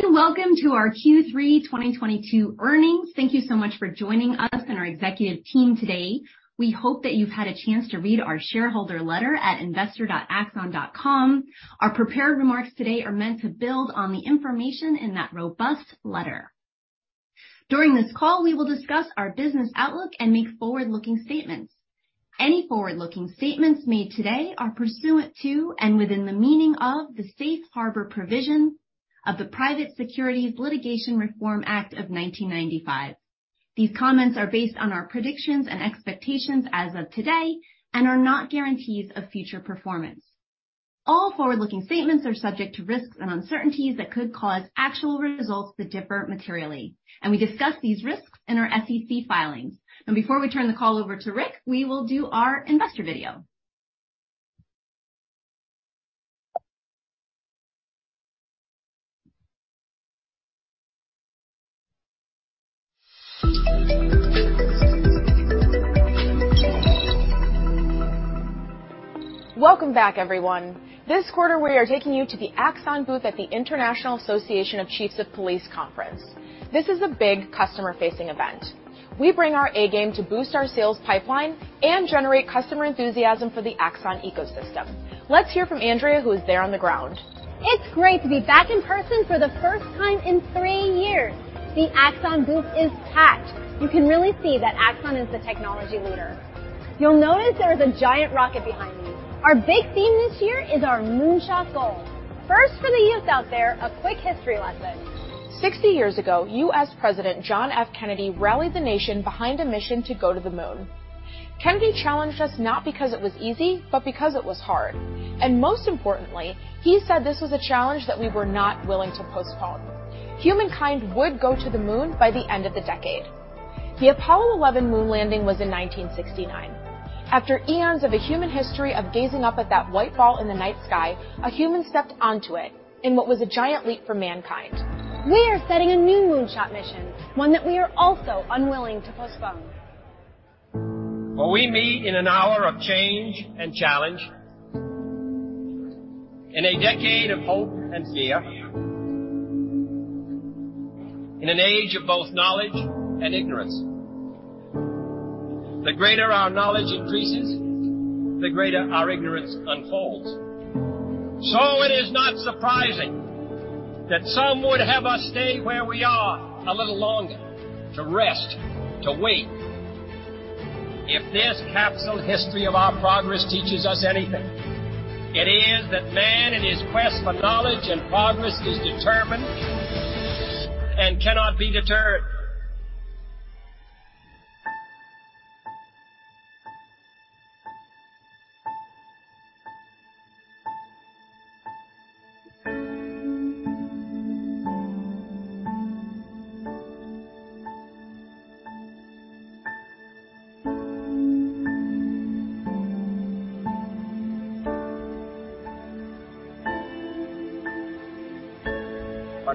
Hello, everyone. Welcome to our Q3 2022 earnings. Thank you so much for joining us and our executive team today. We hope that you've had a chance to read our shareholder letter at investor.axon.com. Our prepared remarks today are meant to build on the information in that robust letter. During this call, we will discuss our business outlook and make forward-looking statements. Any forward-looking statements made today are pursuant to, and within the meaning of, the safe harbor provision of the Private Securities Litigation Reform Act of 1995. These comments are based on our predictions and expectations as of today and are not guarantees of future performance. All forward-looking statements are subject to risks and uncertainties that could cause actual results to differ materially. We discuss these risks in our SEC filings. Before we turn the call over to Rick, we will do our investor video. Welcome back, everyone. This quarter, we are taking you to the Axon booth at the International Association of Chiefs of Police Conference. This is a big customer-facing event. We bring our A game to boost our sales pipeline and generate customer enthusiasm for the Axon ecosystem. Let's hear from Andrea, who is there on the ground. It's great to be back in person for the first time in three years. The Axon booth is packed. You can really see that Axon is the technology leader. You'll notice there is a giant rocket behind me. Our big theme this year is our moonshot goal. First, for the youths out there, a quick history lesson. 60 years ago, U.S. President John F. Kennedy rallied the nation behind a mission to go to the moon. Kennedy challenged us not because it was easy, but because it was hard. Most importantly, he said this was a challenge that we were not willing to postpone. Humankind would go to the moon by the end of the decade. The Apollo 11 moon landing was in 1969. After eons of a human history of gazing up at that white ball in the night sky, a human stepped onto it in what was a giant leap for mankind. We are setting a new moonshot mission, one that we are also unwilling to postpone. We meet in an hour of change and challenge, in a decade of hope and fear, in an age of both knowledge and ignorance. The greater our knowledge increases, the greater our ignorance unfolds. It is not surprising that some would have us stay where we are a little longer, to rest, to wait. If this capsule history of our progress teaches us anything, it is that man, in his quest for knowledge and progress, is determined and cannot be deterred.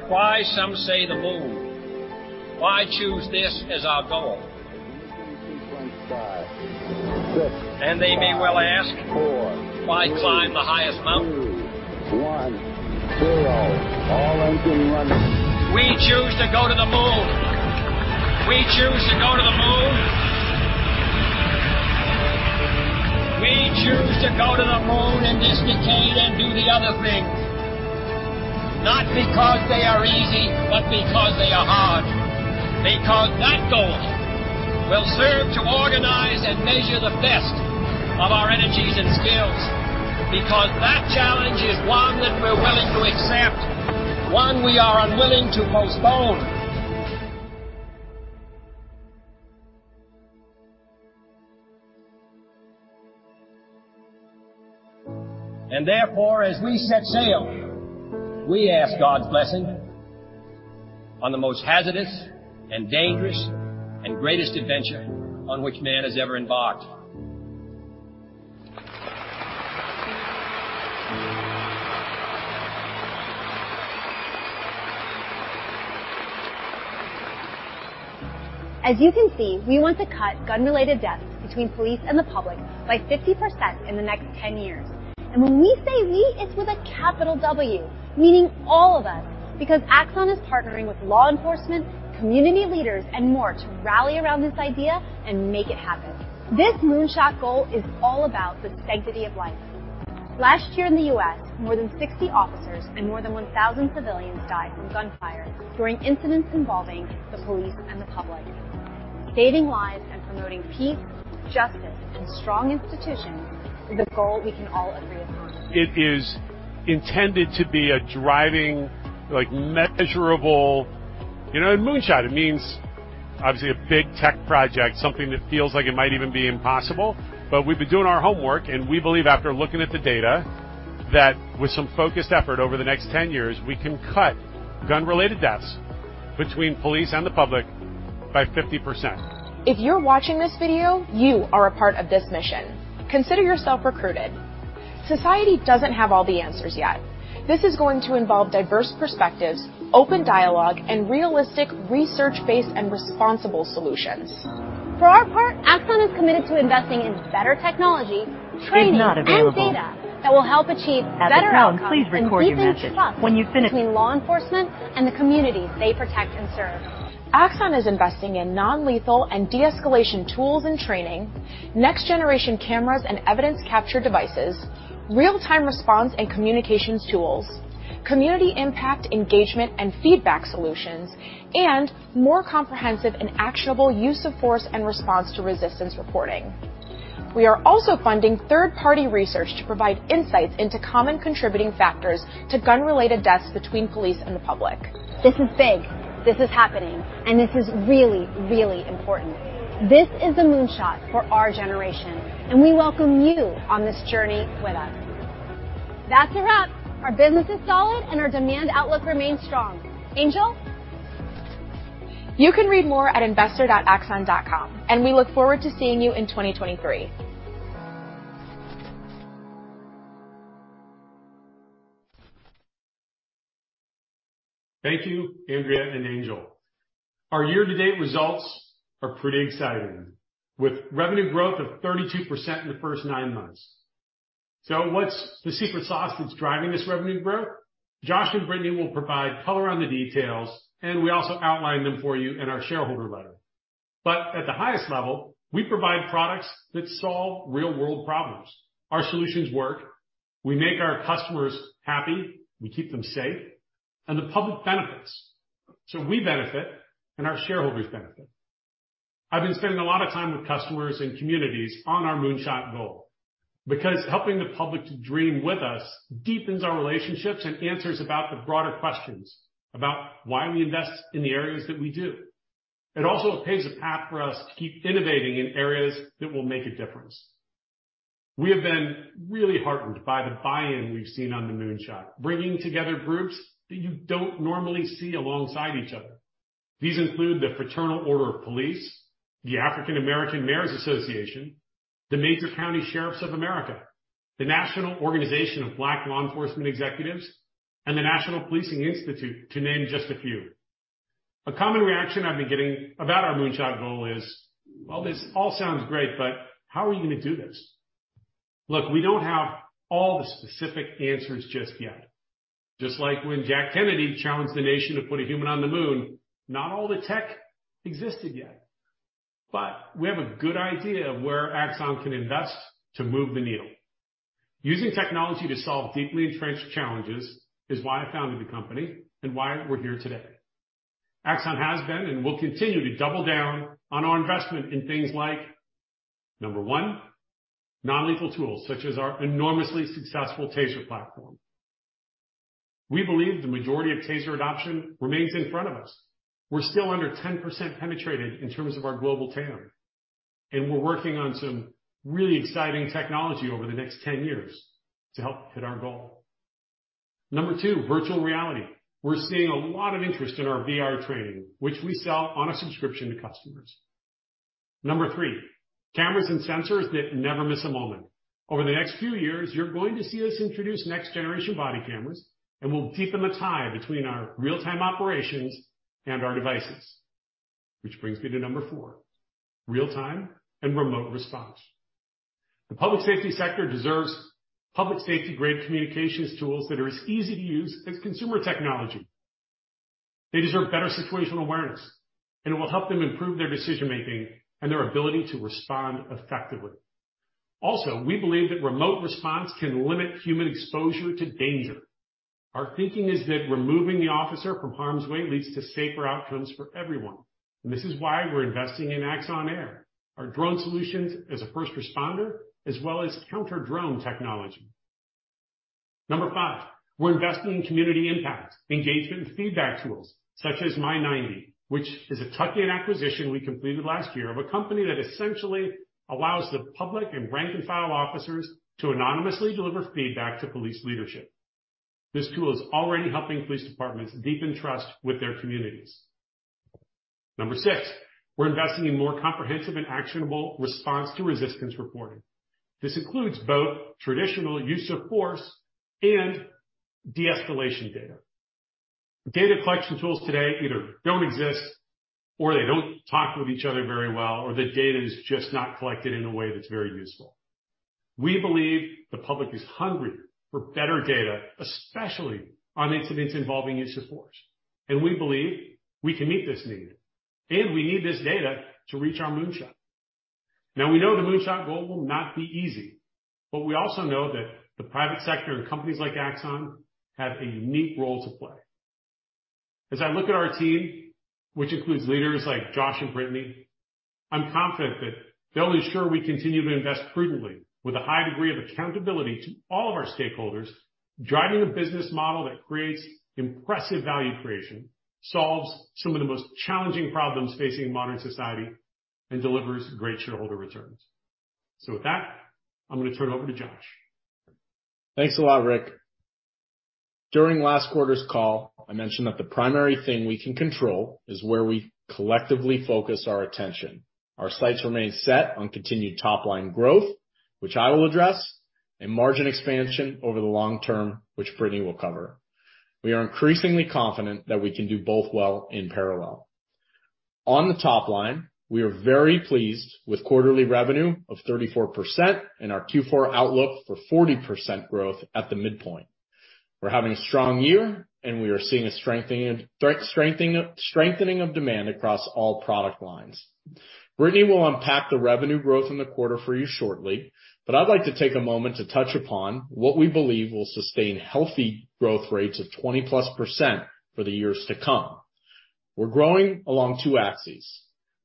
Why, some say, the moon? Why choose this as our goal? Five, six, five. They may well ask. Four, three. Why climb the highest mountain? Two, one, zero. All engines running. We choose to go to the moon. We choose to go to the moon. We choose to go to the moon in this decade and do the other things, not because they are easy, but because they are hard. Because that goal will serve to organize and measure the best of our energies and skills. Because that challenge is one that we're willing to accept, one we are unwilling to postpone. Therefore, as we set sail, we ask God's blessing on the most hazardous and dangerous and greatest adventure on which man has ever embarked. As you can see, we want to cut gun-related deaths between police and the public by 50% in the next 10 years. When we say we, it's with a capital W, meaning all of us, because Axon is partnering with law enforcement, community leaders, and more to rally around this idea and make it happen. This moonshot goal is all about the sanctity of life. Last year in the U.S., more than 60 officers and more than 1,000 civilians died from gunfire during incidents involving the police and the public. Saving lives and promoting peace, justice, and strong institutions is a goal we can all agree upon. It is intended to be a driving, measurable Moonshot. It means, obviously, a big tech project, something that feels like it might even be impossible. We've been doing our homework, and we believe, after looking at the data, that with some focused effort over the next 10 years, we can cut gun-related deaths between police and the public by 50%. If you're watching this video, you are a part of this mission. Consider yourself recruited. Society doesn't have all the answers yet. This is going to involve diverse perspectives, open dialogue, and realistic research-based and responsible solutions. For our part, Axon is committed to investing in better technology, training, and data that will help achieve better outcomes and deepen trust between law enforcement and the communities they protect and serve. Axon is investing in non-lethal and de-escalation tools and training, next-generation cameras and evidence capture devices, real-time response and communications tools, community impact, engagement and feedback solutions, and more comprehensive and actionable use of force and response to resistance reporting. We are also funding third-party research to provide insights into common contributing factors to gun-related deaths between police and the public. This is big, this is happening, and this is really, really important. This is a Moonshot for our generation. We welcome you on this journey with us. That's a wrap. Our business is solid. Our demand outlook remains strong. Angel? You can read more at investor.axon.com. We look forward to seeing you in 2023. Thank you, Andrea and Angel. Our year-to-date results are pretty exciting, with revenue growth of 32% in the first nine months. What's the secret sauce that's driving this revenue growth? Josh and Brittany will provide color on the details, and we also outline them for you in our shareholder letter. At the highest level, we provide products that solve real-world problems. Our solutions work. We make our customers happy. We keep them safe, and the public benefits. We benefit, and our shareholders benefit. I've been spending a lot of time with customers and communities on our Moonshot goal because helping the public to dream with us deepens our relationships and answers about the broader questions about why we invest in the areas that we do. It also paves a path for us to keep innovating in areas that will make a difference. We have been really heartened by the buy-in we've seen on the moonshot, bringing together groups that you don't normally see alongside each other. These include the Fraternal Order of Police, the African American Mayors Association, the Major County Sheriffs of America, the National Organization of Black Law Enforcement Executives, and the National Policing Institute, to name just a few. A common reaction I've been getting about our moonshot goal is, "Well, this all sounds great, but how are you going to do this?" Look, we don't have all the specific answers just yet. Just like when Jack Kennedy challenged the nation to put a human on the moon, not all the tech existed yet. We have a good idea of where Axon can invest to move the needle. Using technology to solve deeply entrenched challenges is why I founded the company and why we're here today. Axon has been and will continue to double down on our investment in things like, number 1, non-lethal tools such as our enormously successful TASER platform. We believe the majority of TASER adoption remains in front of us. We're still under 10% penetrated in terms of our global TAM, and we're working on some really exciting technology over the next 10 years to help hit our goal. Number 2, virtual reality. We're seeing a lot of interest in our VR training, which we sell on a subscription to customers. Number 3, cameras and sensors that never miss a moment. Over the next few years, you're going to see us introduce next generation body cameras, and we'll deepen the tie between our real-time operations and our devices. Which brings me to number 4, real-time and remote response. The public safety sector deserves public safety-grade communications tools that are as easy to use as consumer technology. They deserve better situational awareness, and it will help them improve their decision-making and their ability to respond effectively. Also, we believe that remote response can limit human exposure to danger. Our thinking is that removing the officer from harm's way leads to safer outcomes for everyone, and this is why we're investing in Axon Air, our drone solutions as a first responder, as well as counter-drone technology. Number 5, we're investing in community impact, engagement and feedback tools such as My90, which is a tuck-in acquisition we completed last year of a company that essentially allows the public and rank and file officers to anonymously deliver feedback to police leadership. This tool is already helping police departments deepen trust with their communities. Number 6, we're investing in more comprehensive and actionable response to resistance reporting. This includes both traditional use of force and de-escalation data. Data collection tools today either don't exist, or they don't talk with each other very well, or the data is just not collected in a way that's very useful. We believe the public is hungry for better data, especially on incidents involving use of force, and we believe we can meet this need, and we need this data to reach our moonshot. We know the moonshot goal will not be easy, we also know that the private sector and companies like Axon have a unique role to play. As I look at our team, which includes leaders like Josh and Brittany, I'm confident that they'll ensure we continue to invest prudently with a high degree of accountability to all of our stakeholders, driving a business model that creates impressive value creation, solves some of the most challenging problems facing modern society, and delivers great shareholder returns. With that, I'm going to turn it over to Josh. Thanks a lot, Rick. During last quarter's call, I mentioned that the primary thing we can control is where we collectively focus our attention. Our sights remain set on continued top-line growth, which I will address, and margin expansion over the long term, which Brittany will cover. We are increasingly confident that we can do both well in parallel. On the top line, we are very pleased with quarterly revenue of 34% and our Q4 outlook for 40% growth at the midpoint. We're having a strong year, and we are seeing a strengthening of demand across all product lines. Brittany will unpack the revenue growth in the quarter for you shortly, but I'd like to take a moment to touch upon what we believe will sustain healthy growth rates of 20-plus% for the years to come. We're growing along two axes.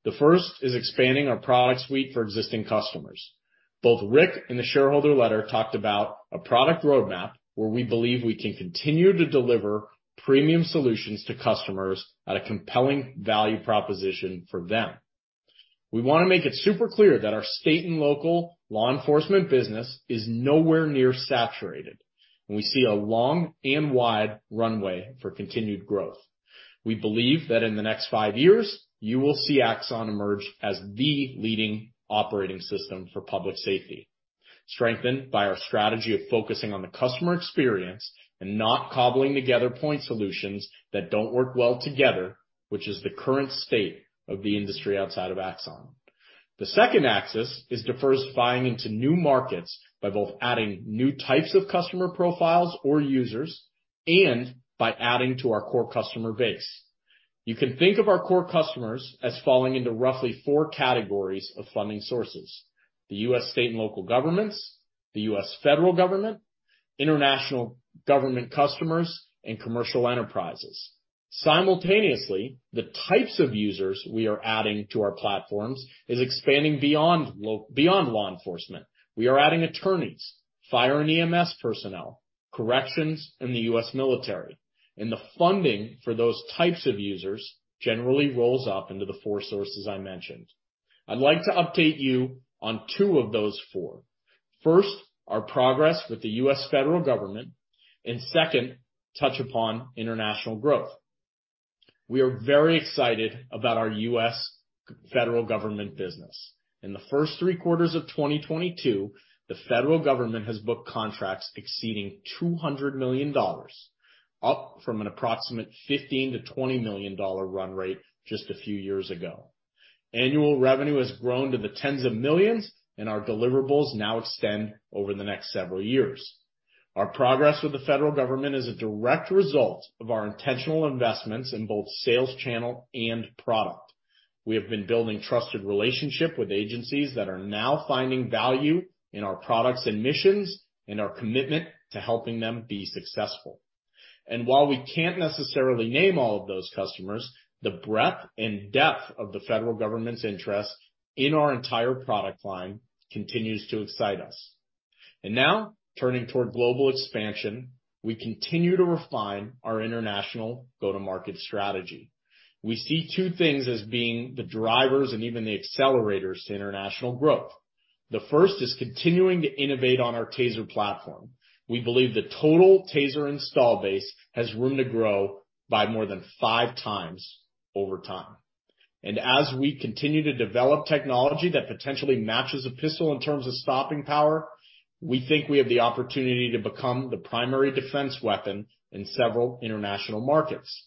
The first is expanding our product suite for existing customers. Both Rick and the shareholder letter talked about a product roadmap where we believe we can continue to deliver premium solutions to customers at a compelling value proposition for them. We want to make it super clear that our state and local law enforcement business is nowhere near saturated, and we see a long and wide runway for continued growth. We believe that in the next five years, you will see Axon emerge as the leading operating system for public safety, strengthened by our strategy of focusing on the customer experience and not cobbling together point solutions that don't work well together, which is the current state of the industry outside of Axon. The second axis is diversifying into new markets by both adding new types of customer profiles or users, and by adding to our core customer base. You can think of our core customers as falling into roughly four categories of funding sources: the U.S. state and local governments, the U.S. federal government, international government customers, and commercial enterprises. Simultaneously, the types of users we are adding to our platforms is expanding beyond law enforcement. We are adding attorneys, fire and EMS personnel, corrections, and the U.S. military, and the funding for those types of users generally rolls up into the four sources I mentioned. I'd like to update you on two of those four. First, our progress with the U.S. federal government, and second, touch upon international growth. We are very excited about our U.S. federal government business. In the first three quarters of 2022, the federal government has booked contracts exceeding $200 million, up from an approximate $15 million-$20 million run rate just a few years ago. Annual revenue has grown to the tens of millions, and our deliverables now extend over the next several years. Our progress with the federal government is a direct result of our intentional investments in both sales channel and product. We have been building trusted relationships with agencies that are now finding value in our products, admissions, and our commitment to helping them be successful. While we can't necessarily name all of those customers, the breadth and depth of the federal government's interest in our entire product line continues to excite us. Now, turning toward global expansion, we continue to refine our international go-to-market strategy. We see two things as being the drivers and even the accelerators to international growth. The first is continuing to innovate on our TASER platform. We believe the total TASER install base has room to grow by more than five times over time. As we continue to develop technology that potentially matches a pistol in terms of stopping power, we think we have the opportunity to become the primary defense weapon in several international markets.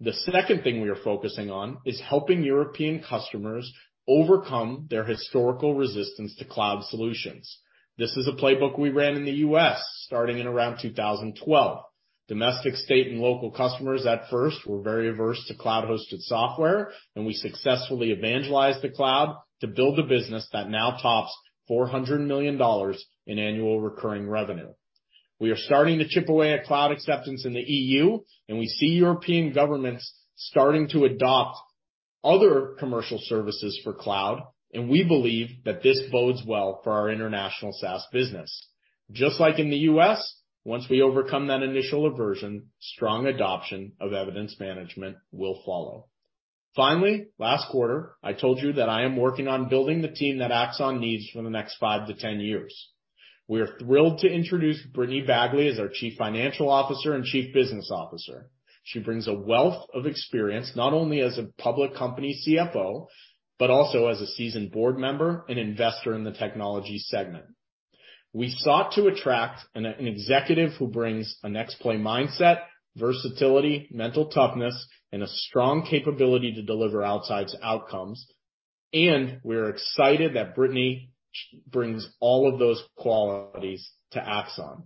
The second thing we are focusing on is helping European customers overcome their historical resistance to cloud solutions. This is a playbook we ran in the U.S. starting in around 2012. Domestic, state, and local customers at first were very averse to cloud-hosted software, and we successfully evangelized the cloud to build a business that now tops $400 million in annual recurring revenue. We are starting to chip away at cloud acceptance in the EU, and we see European governments starting to adopt other commercial services for cloud, and we believe that this bodes well for our international SaaS business. Just like in the U.S., once we overcome that initial aversion, strong adoption of evidence management will follow. Finally, last quarter, I told you that I am working on building the team that Axon needs for the next five to 10 years. We are thrilled to introduce Brittany Bagley as our Chief Financial Officer and Chief Business Officer. She brings a wealth of experience, not only as a public company CFO, but also as a seasoned board member and investor in the technology segment. We sought to attract an executive who brings a next-play mindset, versatility, mental toughness, and a strong capability to deliver outsized outcomes, and we are excited that Brittany brings all of those qualities to Axon.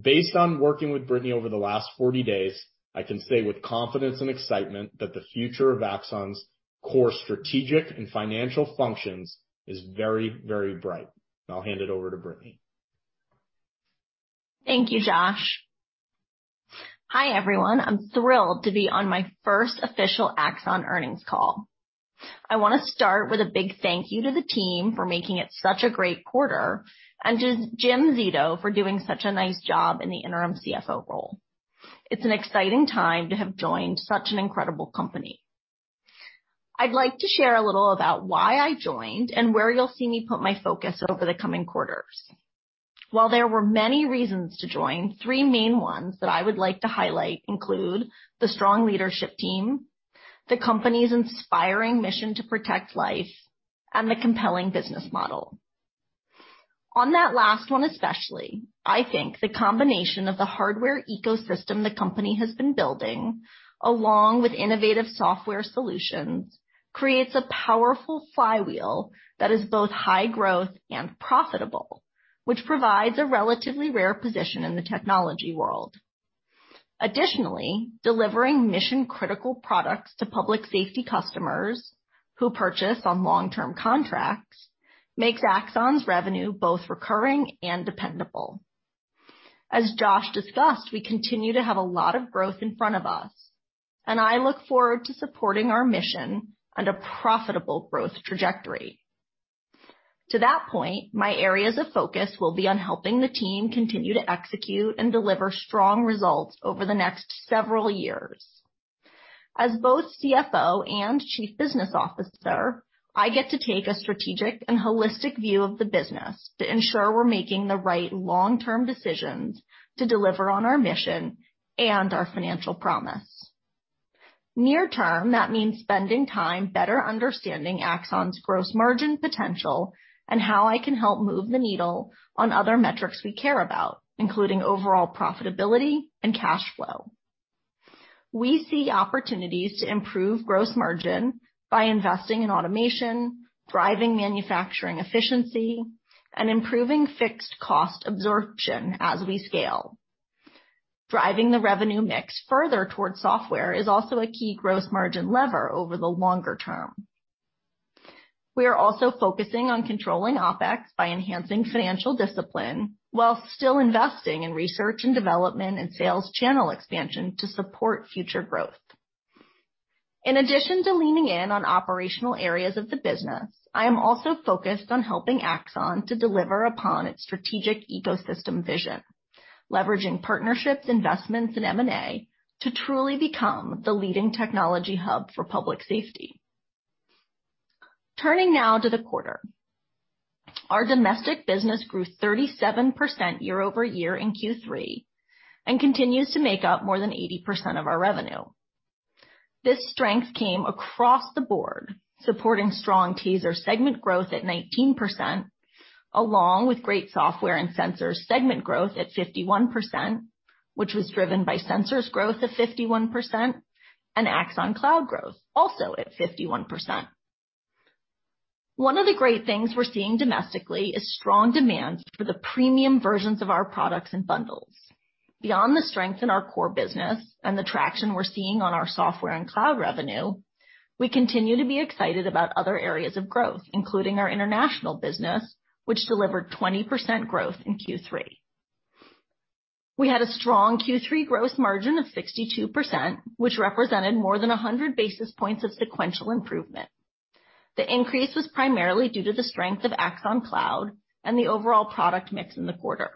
Based on working with Brittany over the last 40 days, I can say with confidence and excitement that the future of Axon's core strategic and financial functions is very, very bright. I'll hand it over to Brittany. Thank you, Josh. Hi, everyone. I'm thrilled to be on my first official Axon earnings call. I want to start with a big thank you to the team for making it such a great quarter, and to Jim Zito for doing such a nice job in the interim CFO role. It's an exciting time to have joined such an incredible company. I'd like to share a little about why I joined and where you'll see me put my focus over the coming quarters. While there were many reasons to join, three main ones that I would like to highlight include the strong leadership team, the company's inspiring mission to protect life, and the compelling business model. On that last one, especially, I think the combination of the hardware ecosystem the company has been building, along with innovative software solutions, creates a powerful flywheel that is both high growth and profitable, which provides a relatively rare position in the technology world. Additionally, delivering mission-critical products to public safety customers who purchase on long-term contracts makes Axon's revenue both recurring and dependable. As Josh discussed, we continue to have a lot of growth in front of us, and I look forward to supporting our mission and a profitable growth trajectory. To that point, my areas of focus will be on helping the team continue to execute and deliver strong results over the next several years. As both CFO and Chief Business Officer, I get to take a strategic and holistic view of the business to ensure we're making the right long-term decisions to deliver on our mission and our financial promise. Near term, that means spending time better understanding Axon's gross margin potential and how I can help move the needle on other metrics we care about, including overall profitability and cash flow. We see opportunities to improve gross margin by investing in automation, driving manufacturing efficiency, and improving fixed cost absorption as we scale. Driving the revenue mix further towards software is also a key gross margin lever over the longer term. We are also focusing on controlling OpEx by enhancing financial discipline while still investing in research and development and sales channel expansion to support future growth. In addition to leaning in on operational areas of the business, I am also focused on helping Axon to deliver upon its strategic ecosystem vision, leveraging partnerships, investments, and M&A to truly become the leading technology hub for public safety. Turning now to the quarter. Our domestic business grew 37% year-over-year in Q3 and continues to make up more than 80% of our revenue. This strength came across the board, supporting strong TASER segment growth at 19%, along with great software and sensors segment growth at 51%, which was driven by sensors growth of 51% and Axon Cloud growth also at 51%. One of the great things we're seeing domestically is strong demand for the premium versions of our products and bundles. Beyond the strength in our core business and the traction we're seeing on our software and Axon Cloud revenue, we continue to be excited about other areas of growth, including our international business, which delivered 20% growth in Q3. We had a strong Q3 gross margin of 62%, which represented more than 100 basis points of sequential improvement. The increase was primarily due to the strength of Axon Cloud and the overall product mix in the quarter.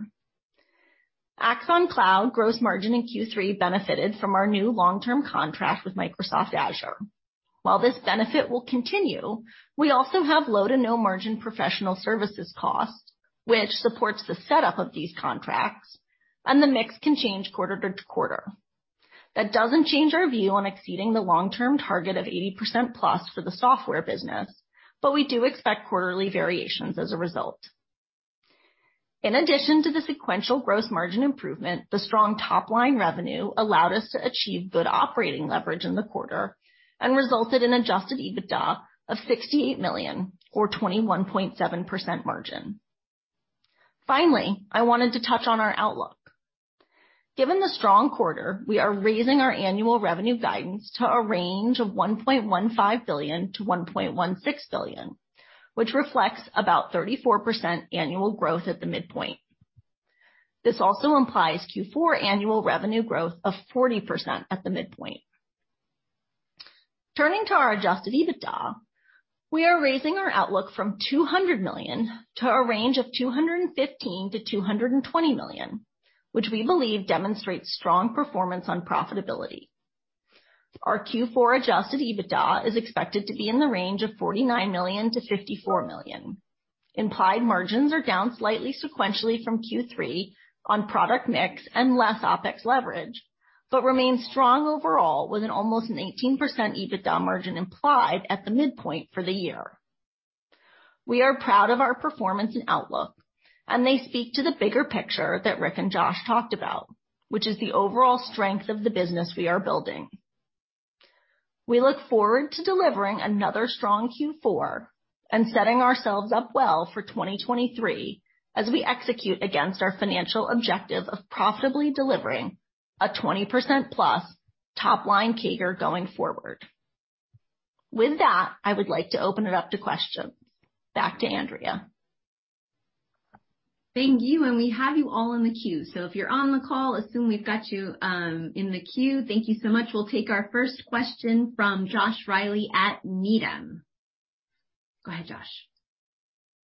Axon Cloud gross margin in Q3 benefited from our new long-term contract with Microsoft Azure. While this benefit will continue, we also have low to no margin professional services costs, which supports the setup of these contracts, and the mix can change quarter-to-quarter. That doesn't change our view on exceeding the long-term target of 80% plus for the software business, but we do expect quarterly variations as a result. In addition to the sequential gross margin improvement, the strong top-line revenue allowed us to achieve good operating leverage in the quarter and resulted in adjusted EBITDA of $68 million, or 21.7% margin. Finally, I wanted to touch on our outlook. Given the strong quarter, we are raising our annual revenue guidance to a range of $1.15 billion-$1.16 billion, which reflects about 34% annual growth at the midpoint. This also implies Q4 annual revenue growth of 40% at the midpoint. Turning to our adjusted EBITDA, we are raising our outlook from $200 million to a range of $215 million-$220 million, which we believe demonstrates strong performance on profitability. Our Q4 adjusted EBITDA is expected to be in the range of $49 million-$54 million. Implied margins are down slightly sequentially from Q3 on product mix and less OpEx leverage, but remain strong overall, with an almost an 18% EBITDA margin implied at the midpoint for the year. We are proud of our performance and outlook, and they speak to the bigger picture that Rick and Josh talked about, which is the overall strength of the business we are building. We look forward to delivering another strong Q4 and setting ourselves up well for 2023 as we execute against our financial objective of profitably delivering a 20% plus top line CAGR going forward. With that, I would like to open it up to questions. Back to Andrea. Thank you. We have you all in the queue, so if you're on the call, assume we've got you in the queue. Thank you so much. We'll take our first question from Joshua Reilly at Needham. Go ahead, Joshua.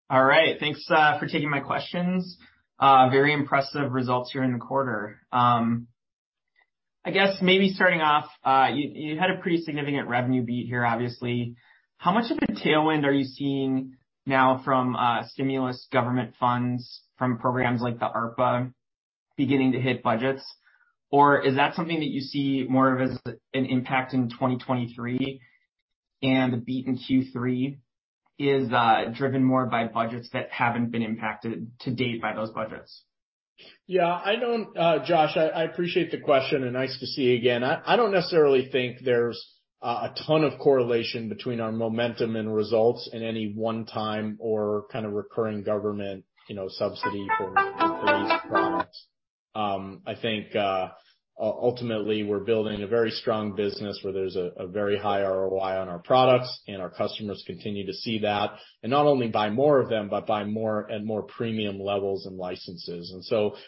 All right. Thanks for taking my questions. Very impressive results here in the quarter. I guess maybe starting off, you had a pretty significant revenue beat here, obviously. How much of a tailwind are you seeing now from stimulus government funds from programs like the ARPA beginning to hit budgets? Or is that something that you see more of as an impact in 2023 and the beat in Q3 is driven more by budgets that haven't been impacted to date by those budgets? Yeah. Joshua, I appreciate the question and nice to see you again. I don't necessarily think there's a ton of correlation between our momentum and results in any one time or kind of recurring government subsidy for these products. I think, ultimately, we're building a very strong business where there's a very high ROI on our products, and our customers continue to see that. Not only buy more of them, but buy more at more premium levels and licenses.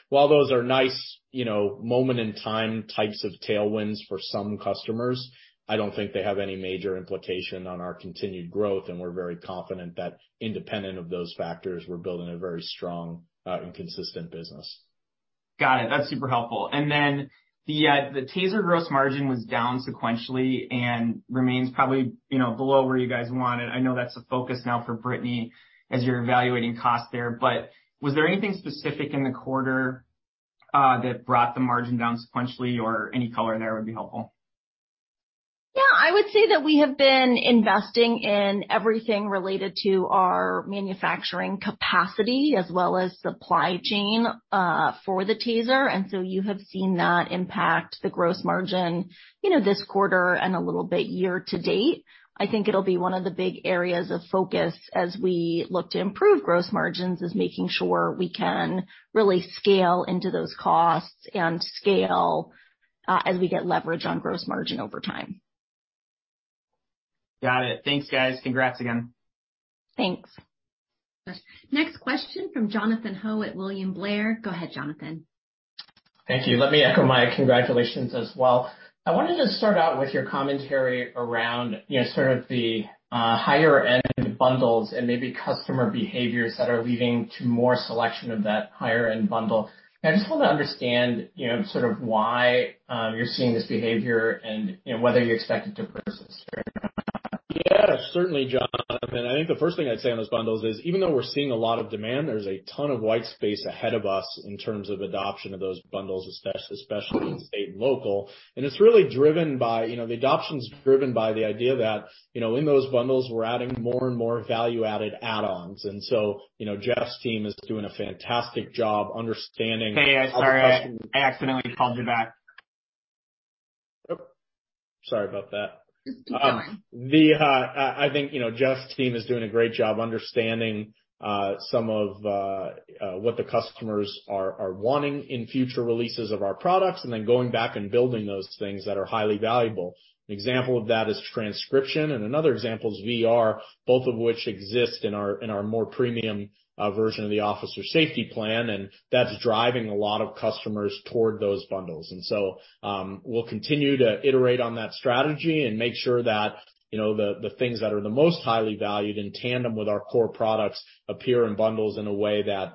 While those are nice moment in time types of tailwinds for some customers, I don't think they have any major implication on our continued growth. We're very confident that independent of those factors, we're building a very strong and consistent business. Got it. That's super helpful. The TASER gross margin was down sequentially and remains probably below where you guys wanted. I know that's a focus now for Brittany as you're evaluating cost there. Was there anything specific in the quarter that brought the margin down sequentially, or any color there would be helpful? Yeah. I would say that we have been investing in everything related to our manufacturing capacity as well as supply chain for the TASER. You have seen that impact the gross margin this quarter and a little bit year-to-date. I think it'll be one of the big areas of focus as we look to improve gross margins, is making sure we can really scale into those costs and scale as we get leverage on gross margin over time. Got it. Thanks, guys. Congrats again. Thanks. Next question from Jonathan Ho at William Blair. Go ahead, Jonathan. Thank you. Let me echo my congratulations as well. I wanted to start out with your commentary around sort of the higher-end bundles and maybe customer behaviors that are leading to more selection of that higher-end bundle. I just want to understand sort of why you're seeing this behavior and whether you expect it to persist or not. Yeah, certainly, Jonathan. I think the first thing I'd say on those bundles is even though we're seeing a lot of demand, there's a ton of white space ahead of us in terms of adoption of those bundles, especially state and local. The adoption's driven by the idea that in those bundles, we're adding more and more value-added add-ons. Jeff's team is doing a fantastic job understanding- Hey, sorry. I accidentally called you back. Oh. Sorry about that. Just keep going. I think Jeff's team is doing a great job understanding some of what the customers are wanting in future releases of our products, then going back and building those things that are highly valuable. An example of that is transcription, another example is VR, both of which exist in our more premium version of the Officer Safety Plan, that's driving a lot of customers toward those bundles. We'll continue to iterate on that strategy and make sure that the things that are the most highly valued in tandem with our core products appear in bundles in a way that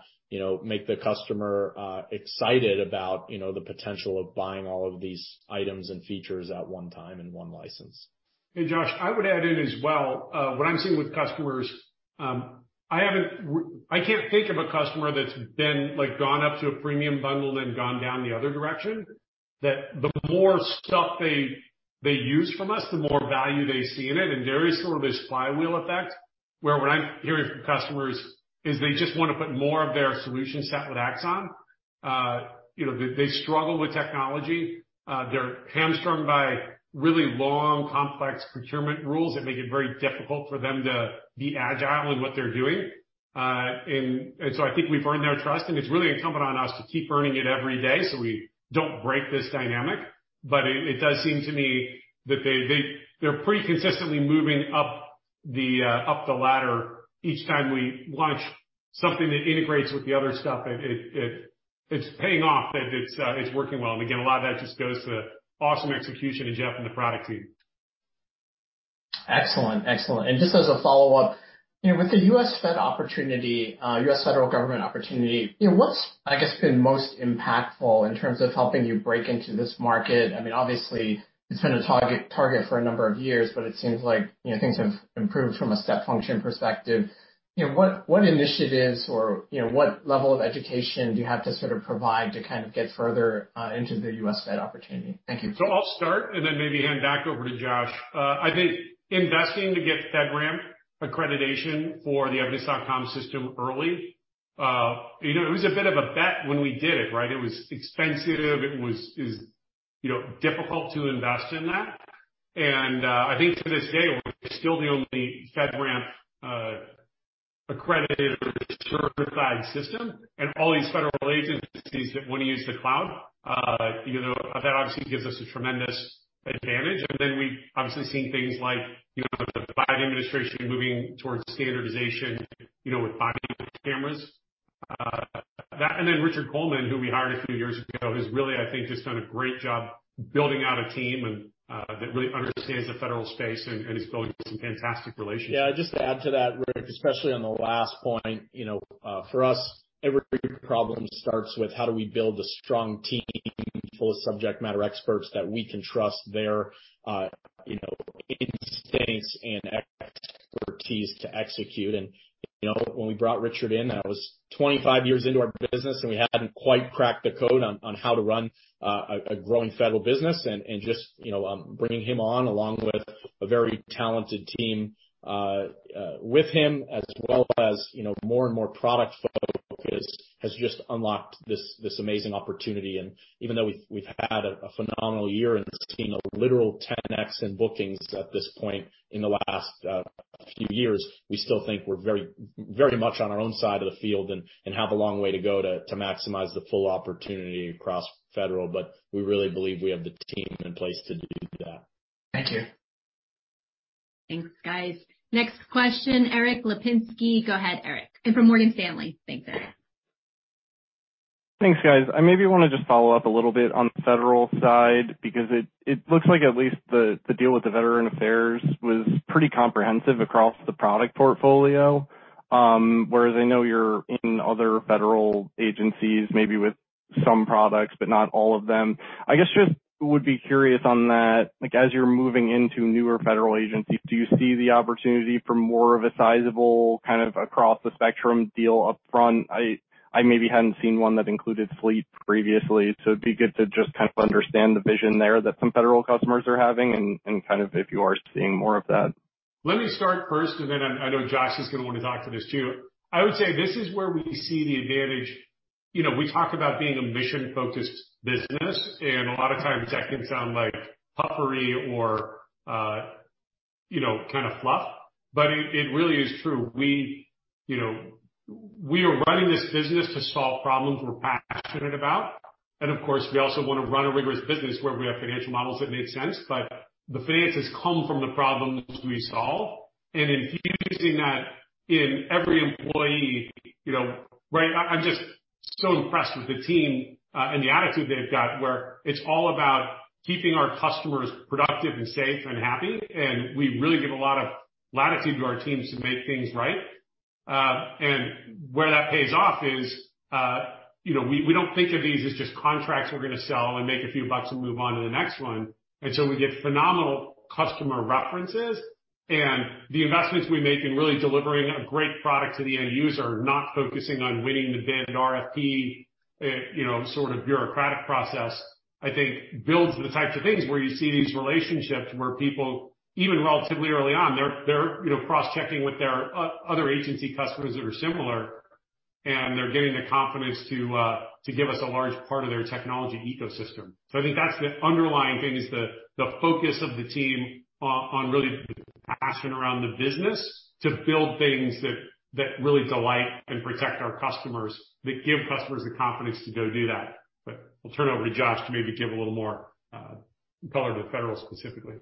make the customer excited about the potential of buying all of these items and features at one time in one license. Hey, Josh, I would add in as well. What I'm seeing with customers, I can't think of a customer that's gone up to a premium bundle, then gone down the other direction. That the more stuff they use from us, the more value they see in it. There is sort of this flywheel effect, where what I'm hearing from customers is they just want to put more of their solution set with Axon. They struggle with technology. They're hamstrung by really long, complex procurement rules that make it very difficult for them to be agile in what they're doing. I think we've earned their trust, it's really incumbent on us to keep earning it every day so we don't break this dynamic. It does seem to me that they're pretty consistently moving up the ladder each time we launch something that integrates with the other stuff. It's paying off that it's working well. Again, a lot of that just goes to awesome execution of Jeff and the product team. Just as a follow-up, with the U.S. Fed opportunity, U.S. Federal Government opportunity, what's, I guess, been most impactful in terms of helping you break into this market? Obviously, it's been a target for a number of years, but it seems like things have improved from a step function perspective. What initiatives or what level of education do you have to sort of provide to kind of get further into the U.S. Fed opportunity? Thank you. I'll start and then maybe hand back over to Josh. I think investing to get FedRAMP accreditation for the evidence.com system early. It was a bit of a bet when we did it, right? It was expensive. It was difficult to invest in that. I think to this day, we're still the only FedRAMP accredited or certified system. All these federal agencies that want to use the cloud, that obviously gives us a tremendous advantage. Then we obviously see things like the Biden administration moving towards standardization with body cameras. That, Richard Coleman, who we hired a few years ago, has really, I think, just done a great job building out a team that really understands the federal space and is building some fantastic relationships. Yeah, just to add to that, Rick, especially on the last point. For us, every problem starts with how do we build a strong team full of subject matter experts that we can trust their instincts and expertise to execute. When we brought Richard in, that was 25 years into our business, and we hadn't quite cracked the code on how to run a growing federal business. Just bringing him on, along with a very talented team with him, as well as more and more product focus, has just unlocked this amazing opportunity. Even though we've had a phenomenal year and seen a literal 10 X in bookings at this point in the last few years, we still think we're very much on our own side of the field and have a long way to go to maximize the full opportunity across federal. We really believe we have the team in place to do that. Thank you. Thanks, guys. Next question, Erik Lapinski. Go ahead, Erik. From Morgan Stanley. Thanks, Erik. Thanks, guys. I maybe want to just follow up a little bit on the federal side, because it looks like at least the deal with the Veterans Affairs was pretty comprehensive across the product portfolio, whereas I know you're in other federal agencies, maybe with some products, but not all of them. I guess just would be curious on that, as you're moving into newer federal agencies, do you see the opportunity for more of a sizable kind of across the spectrum deal up front? I maybe hadn't seen one that included Fleet previously, so it'd be good to just kind of understand the vision there that some federal customers are having and if you are seeing more of that. Then I know Josh is going to want to talk to this too. I would say this is where we see the advantage. We talk about being a mission-focused business, and a lot of times that can sound like puffery or kind of fluff. It really is true. We are running this business to solve problems we're passionate about. Of course, we also want to run a rigorous business where we have financial models that make sense, but the finances come from the problems we solve and infusing that in every employee. I'm just so impressed with the team and the attitude they've got, where it's all about keeping our customers productive and safe and happy. We really give a lot of latitude to our teams to make things right. Where that pays off is, we don't think of these as just contracts we're going to sell and make a few bucks and move on to the next one. We get phenomenal customer references and the investments we make in really delivering a great product to the end user, not focusing on winning the bid, an RFP, sort of bureaucratic process. I think builds the types of things where you see these relationships where people, even relatively early on, they're cross-checking with their other agency customers that are similar, and they're getting the confidence to give us a large part of their technology ecosystem. I think that's the underlying thing, is the focus of the team on really the passion around the business to build things that really delight and protect our customers, that give customers the confidence to go do that. I'll turn it over to Josh to maybe give a little more color to federal specifically.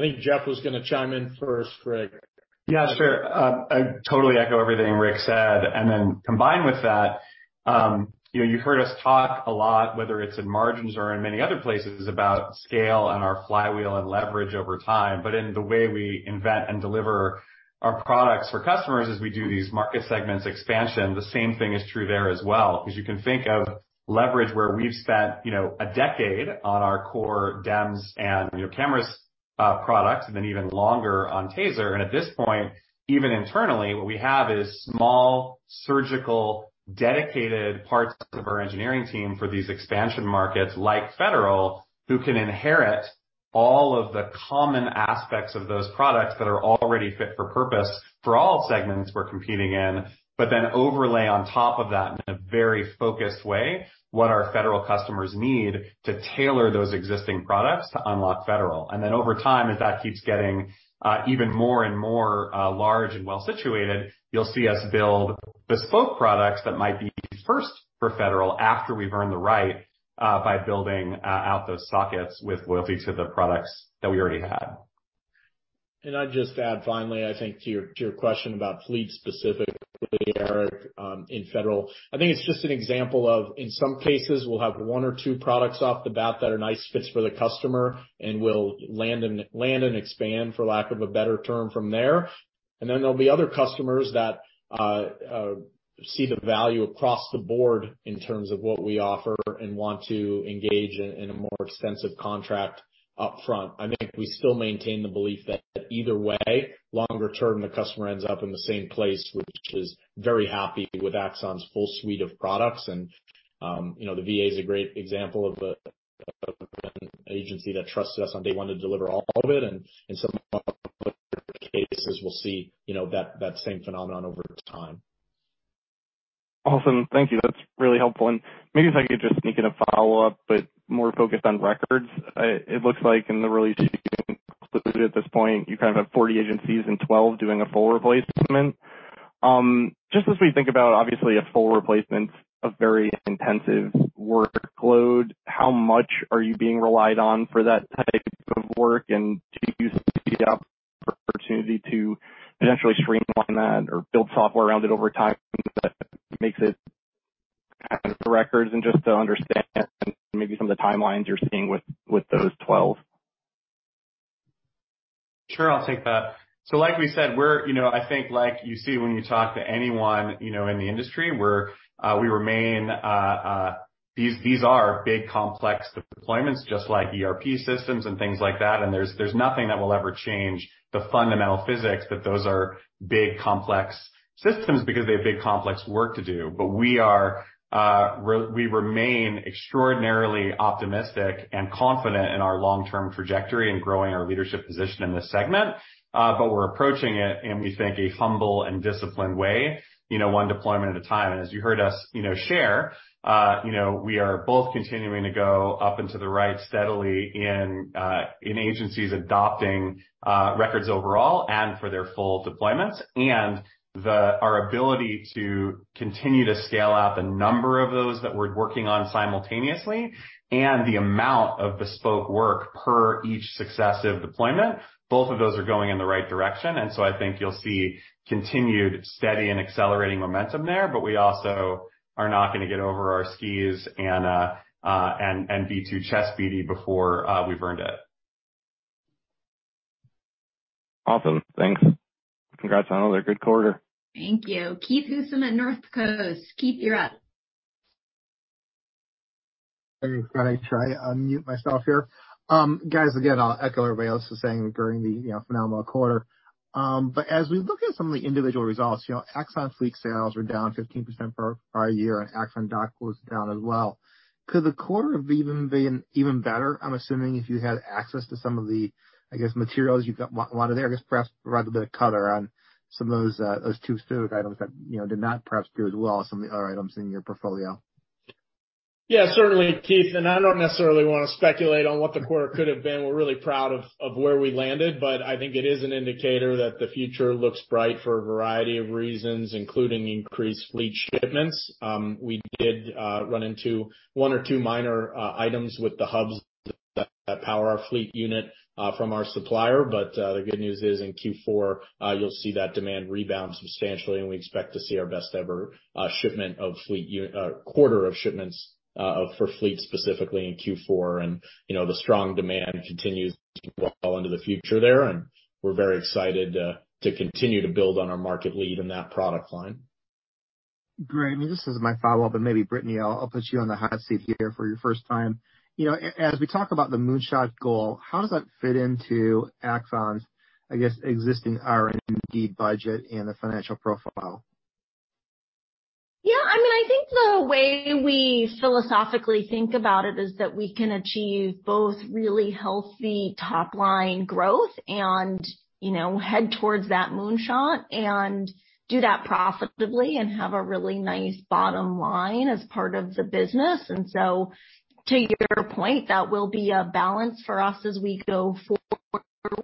I think Jeff was going to chime in first, Rick. Yeah, sure. I totally echo everything Rick said. Combined with that, you heard us talk a lot, whether it's in margins or in many other places, about scale and our flywheel and leverage over time. In the way we invent and deliver our products for customers as we do these market segments expansion, the same thing is true there as well. You can think of leverage where we've spent a decade on our core DEMS and cameras products, then even longer on TASER. At this point, even internally, what we have is small, surgical, dedicated parts of our engineering team for these expansion markets, like federal, who can inherit all of the common aspects of those products that are already fit for purpose for all segments we're competing in. Overlay on top of that in a very focused way what our federal customers need to tailor those existing products to unlock federal. Over time, as that keeps getting even more and more large and well-situated, you'll see us build bespoke products that might be first for federal after we've earned the right by building out those sockets with loyalty to the products that we already had. I'd just add finally, I think to your question about Fleet specifically, Erik, in federal. I think it's just an example of, in some cases, we'll have one or two products off the bat that are nice fits for the customer, and we'll land and expand, for lack of a better term, from there. There'll be other customers that see the value across the board in terms of what we offer and want to engage in a more extensive contract up front. I think we still maintain the belief that either way, longer term, the customer ends up in the same place, which is very happy with Axon's full suite of products. The VA is a great example of an agency that trusted us on day one to deliver all of it. In some other cases, we'll see that same phenomenon over time. Awesome. Thank you. That's really helpful. Maybe if I could just sneak in a follow-up, more focused on records. It looks like in the release you included at this point, you kind of have 40 agencies and 12 doing a full replacement. Just as we think about, obviously, a full replacement, a very intensive workload, how much are you being relied on for that type of work, and do you see opportunity to potentially streamline that or build software around it over time that makes it records and just to understand maybe some of the timelines you're seeing with those 12. Sure, I'll take that. Like we said, I think like you see when you talk to anyone in the industry, these are big, complex deployments, just like ERP systems and things like that. There's nothing that will ever change the fundamental physics that those are big, complex systems because they have big, complex work to do. We remain extraordinarily optimistic and confident in our long-term trajectory in growing our leadership position in this segment. We're approaching it in, we think, a humble and disciplined way, one deployment at a time. As you heard us share, we are both continuing to go up into the right steadily in agencies adopting records overall and for their full deployments. Our ability to continue to scale out the number of those that we're working on simultaneously and the amount of bespoke work per each successive deployment, both of those are going in the right direction. I think you'll see continued steady and accelerating momentum there, but we also are not going to get over our skis and [beat to chest BD] before we've earned it. Awesome. Thanks. Congrats on another good quarter. Thank you. Keith Housum at Northcoast Research. Keith, you're up. I try to unmute myself here. Guys, again, I'll echo everybody else is saying regarding the phenomenal quarter. As we look at some of the individual results, Axon Fleet sales were down 15% prior year and Axon Dock was down as well. Could the quarter have even been even better, I'm assuming, if you had access to some of the materials you wanted there? Perhaps provide a bit of color on some of those two specific items that did not perhaps do as well as some of the other items in your portfolio. Certainly, Keith, I don't necessarily want to speculate on what the quarter could have been. We're really proud of where we landed. I think it is an indicator that the future looks bright for a variety of reasons, including increased Fleet shipments. We did run into one or two minor items with the hubs that power our Fleet unit from our supplier. The good news is, in Q4, you'll see that demand rebound substantially, and we expect to see our best ever quarter of shipments for Fleet, specifically in Q4. The strong demand continues well into the future there, and we're very excited to continue to build on our market lead in that product line. Great. This is my follow-up, and maybe Brittany, I'll put you on the hot seat here for your first time. As we talk about the moonshot goal, how does that fit into Axon's existing R&D budget and the financial profile? Yeah, I think the way we philosophically think about it is that we can achieve both really healthy top-line growth and head towards that moonshot and do that profitably and have a really nice bottom line as part of the business. To your point, that will be a balance for us as we go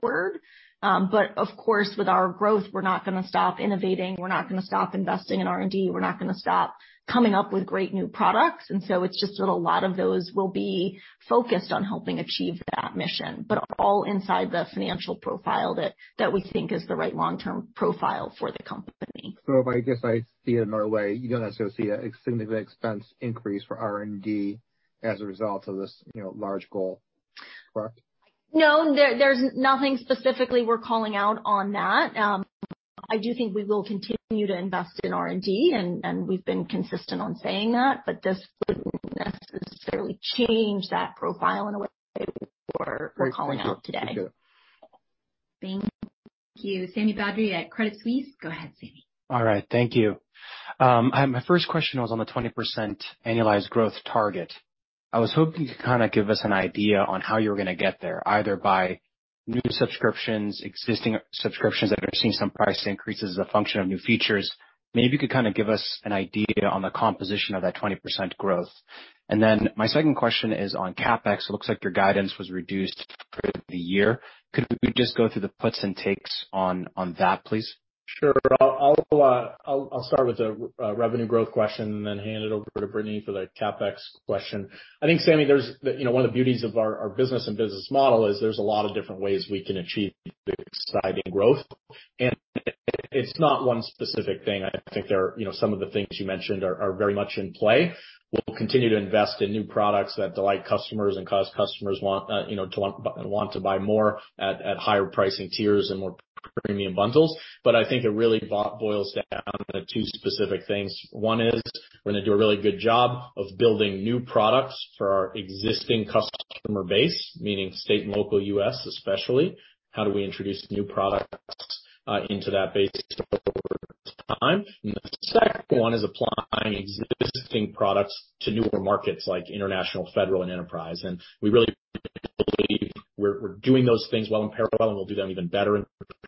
forward. Of course, with our growth, we're not going to stop innovating. We're not going to stop investing in R&D. We're not going to stop coming up with great new products. It's just that a lot of those will be focused on helping achieve that mission. All inside the financial profile that we think is the right long-term profile for the company. If I guess I see it another way, you don't necessarily see a significant expense increase for R&D as a result of this large goal. Correct? No, there's nothing specifically we're calling out on that. I do think we will continue to invest in R&D, and we've been consistent on saying that, but this wouldn't necessarily change that profile in a way we're calling out today. Great. Thank you. Thank you. Sami Badri at Credit Suisse. Go ahead, Sami. All right. Thank you. My first question was on the 20% annualized growth target. I was hoping you could give us an idea on how you were going to get there, either by new subscriptions, existing subscriptions that are seeing some price increases as a function of new features. Maybe you could give us an idea on the composition of that 20% growth. My second question is on CapEx. It looks like your guidance was reduced for the year. Could we just go through the puts and takes on that, please? Sure. I'll start with the revenue growth question and then hand it over to Brittany for the CapEx question. I think, Sami, one of the beauties of our business and business model is there's a lot of different ways we can achieve exciting growth. It's not one specific thing. I think some of the things you mentioned are very much in play. We'll continue to invest in new products that delight customers and cause customers want to buy more at higher pricing tiers and more premium bundles. I think it really boils down to two specific things. One is we're going to do a really good job of building new products for our existing customer base, meaning state and local U.S. especially. How do we introduce new products into that base over time? The second one is applying existing products to newer markets like international, federal, and enterprise. We really believe we're doing those things well in parallel, and we'll do them even better in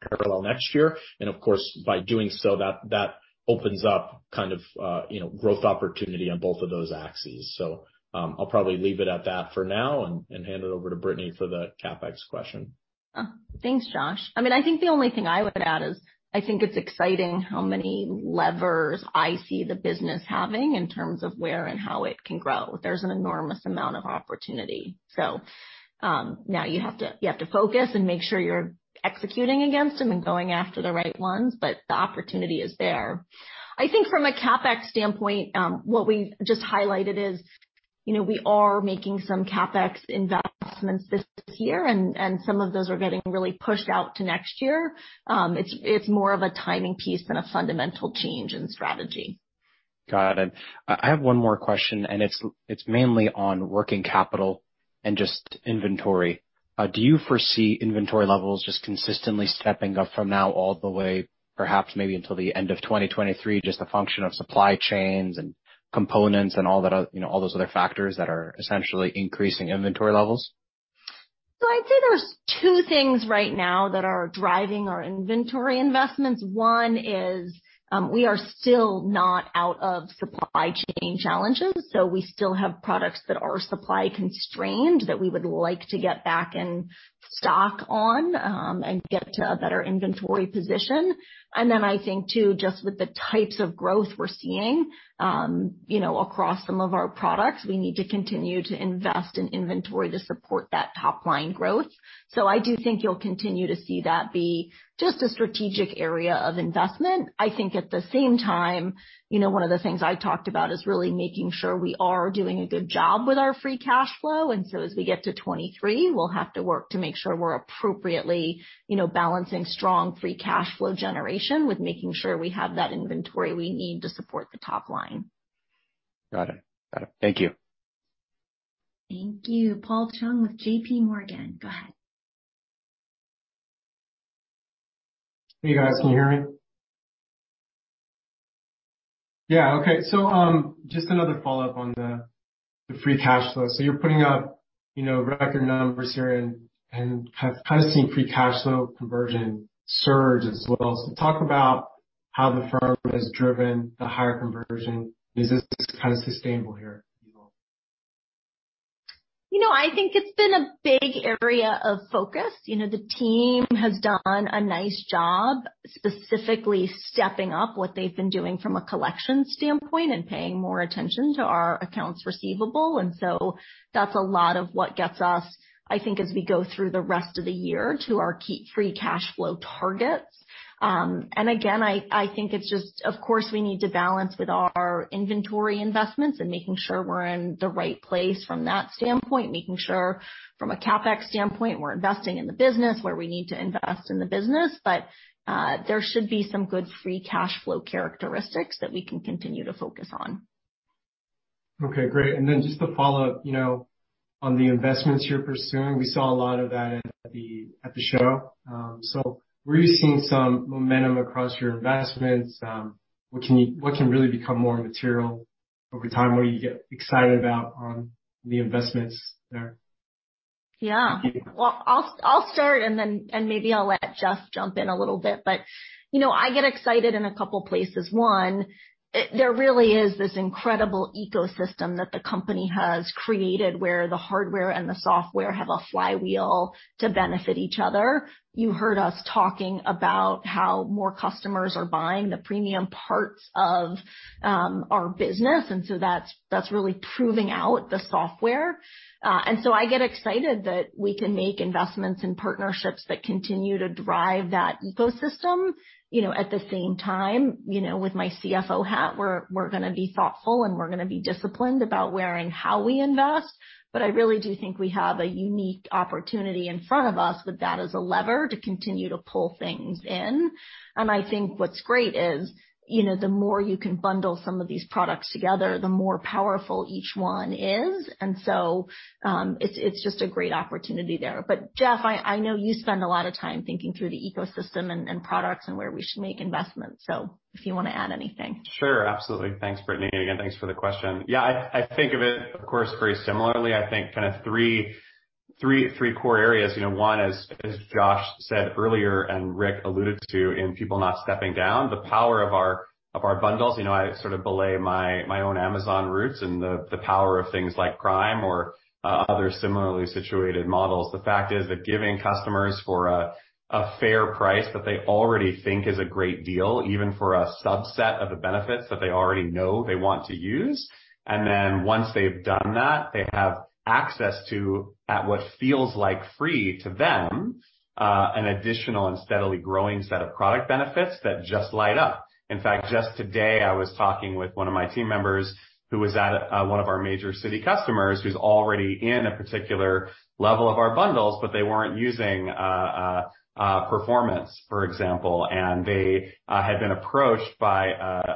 parallel next year. Of course, by doing so, that opens up growth opportunity on both of those axes. I'll probably leave it at that for now and hand it over to Brittany for the CapEx question. Thanks, Josh. I think the only thing I would add is I think it's exciting how many levers I see the business having in terms of where and how it can grow. There's an enormous amount of opportunity. Now you have to focus and make sure you're executing against them and going after the right ones, but the opportunity is there. I think from a CapEx standpoint, what we've just highlighted is we are making some CapEx investments this year, and some of those are getting really pushed out to next year. It's more of a timing piece than a fundamental change in strategy. Got it. It's mainly on working capital and just inventory. Do you foresee inventory levels just consistently stepping up from now all the way, perhaps, maybe until the end of 2023, just a function of supply chains and components and all those other factors that are essentially increasing inventory levels? I'd say there's two things right now that are driving our inventory investments. One is, we are still not out of supply chain challenges. We still have products that are supply-constrained that we would like to get back in stock on, and get to a better inventory position. I think too, just with the types of growth we're seeing across some of our products, we need to continue to invest in inventory to support that top-line growth. I do think you'll continue to see that be just a strategic area of investment. I think at the same time, one of the things I talked about is really making sure we are doing a good job with our free cash flow. As we get to 2023, we'll have to work to make sure we're appropriately balancing strong free cash flow generation with making sure we have that inventory we need to support the top line. Got it. Thank you. Thank you. Paul Chung with JPMorgan, go ahead. Hey, guys. Can you hear me? Yeah. Okay. Just another follow-up on the free cash flow. You're putting up record numbers here and have seen free cash flow conversion surge as well. Talk about how the firm has driven the higher conversion. Is this kind of sustainable here? I think it's been a big area of focus. The team has done a nice job, specifically stepping up what they've been doing from a collections standpoint and paying more attention to our accounts receivable. That's a lot of what gets us, I think, as we go through the rest of the year, to our free cash flow targets. Again, I think it's just, of course, we need to balance with our inventory investments and making sure we're in the right place from that standpoint, making sure from a CapEx standpoint, we're investing in the business where we need to invest in the business. There should be some good free cash flow characteristics that we can continue to focus on. Okay, great. Just to follow up on the investments you're pursuing. We saw a lot of that at the show. Where are you seeing some momentum across your investments? What can really become more material over time? What are you excited about on the investments there? Yeah. Well, I'll start and maybe I'll let Jeff jump in a little bit, but I get excited in a couple places. One, there really is this incredible ecosystem that the company has created where the hardware and the software have a flywheel to benefit each other. You heard us talking about how more customers are buying the premium parts of our business, that's really proving out the software. I get excited that we can make investments in partnerships that continue to drive that ecosystem. At the same time, with my CFO hat, we're going to be thoughtful and we're going to be disciplined about where and how we invest. I really do think we have a unique opportunity in front of us with that as a lever to continue to pull things in. I think what's great is, the more you can bundle some of these products together, the more powerful each one is. It's just a great opportunity there. Jeff, I know you spend a lot of time thinking through the ecosystem and products and where we should make investments. If you want to add anything. Sure, absolutely. Thanks, Brittany. Again, thanks for the question. Yeah, I think of it, of course, very similarly. I think kind of three core areas. One as Josh said earlier, and Rick alluded to, in people not stepping down, the power of our bundles. I sort of belay my own Amazon roots and the power of things like Prime or other similarly situated models. The fact is that giving customers for a fair price that they already think is a great deal, even for a subset of the benefits that they already know they want to use. Once they've done that, they have access to, at what feels like free to them, an additional and steadily growing set of product benefits that just light up. In fact, just today I was talking with one of my team members who was at one of our major city customers who's already in a particular level of our bundles, but they weren't using Performance, for example. They had been approached by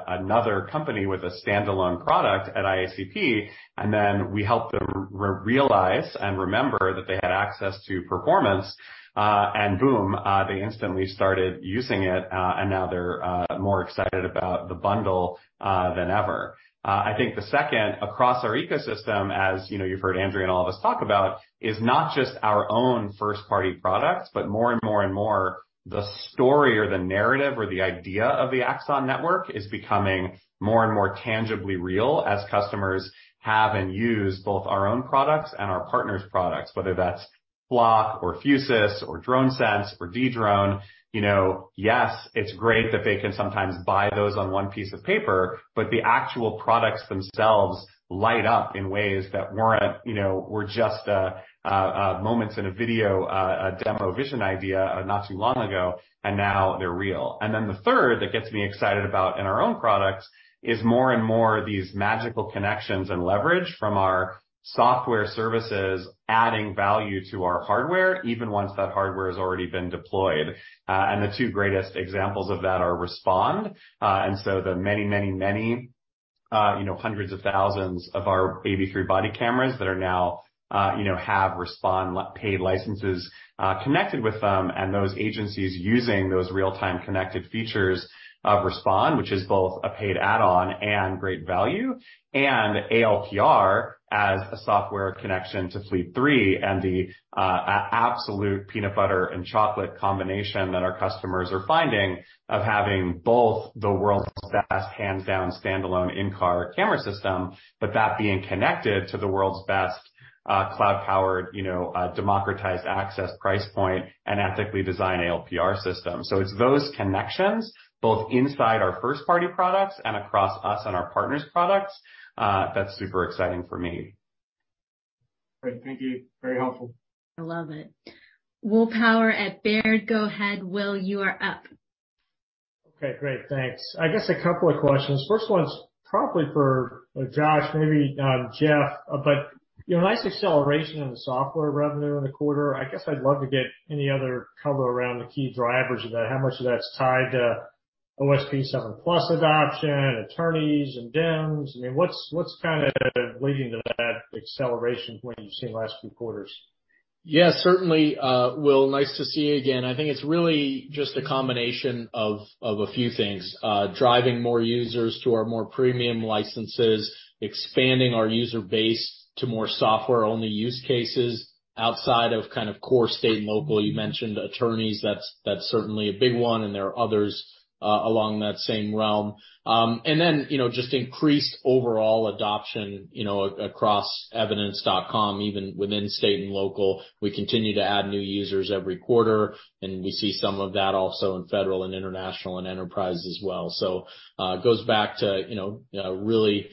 another company with a standalone product at IACP, we helped them realize and remember that they had access to Performance, boom, they instantly started using it, and now they're more excited about the bundle than ever. I think the second across our ecosystem, as you've heard Andrea and all of us talk about, is not just our own first-party products, but more and more and more, the story or the narrative or the idea of the Axon network is becoming more and more tangibly real as customers have and use both our own products and our partners' products, whether that's Flock or Fusus or DroneSense or Dedrone. Yes, it's great that they can sometimes buy those on one piece of paper, but the actual products themselves light up in ways that were just moments in a video, a demo vision idea not too long ago, and now they're real. The third that gets me excited about in our own products is more and more these magical connections and leverage from our software services adding value to our hardware even once that hardware has already been deployed. The two greatest examples of that are Respond. The hundreds of thousands of our AB3 body cameras that now have Respond paid licenses connected with them, and those agencies using those real-time connected features of Respond, which is both a paid add-on and great value, and ALPR as a software connection to Fleet 3 and the absolute peanut butter and chocolate combination that our customers are finding of having both the world's best hands-down standalone in-car camera system, but that being connected to the world's best cloud-powered, democratized access price point and ethically designed ALPR system. It's those connections both inside our first-party products and across us and our partners' products that's super exciting for me. Great. Thank you. Very helpful. I love it. William Power at Baird, go ahead, Will, you are up. Okay, great. Thanks. I guess a couple of questions. First one's probably for Josh, maybe Jeff, but nice acceleration in the software revenue in the quarter. I guess I'd love to get any other color around the key drivers of that. How much of that's tied to OSP 7+ adoption, attorneys, and DEMS? What's leading to that acceleration from what you've seen the last few quarters? Yeah, certainly. Will, nice to see you again. I think it's really just a combination of a few things. Driving more users to our more premium licenses, expanding our user base to more software-only use cases outside of core state and local. You mentioned attorneys, that's certainly a big one, and there are others along that same realm. Just increased overall adoption across evidence.com, even within state and local. We continue to add new users every quarter, and we see some of that also in federal and international and enterprise as well. It goes back to really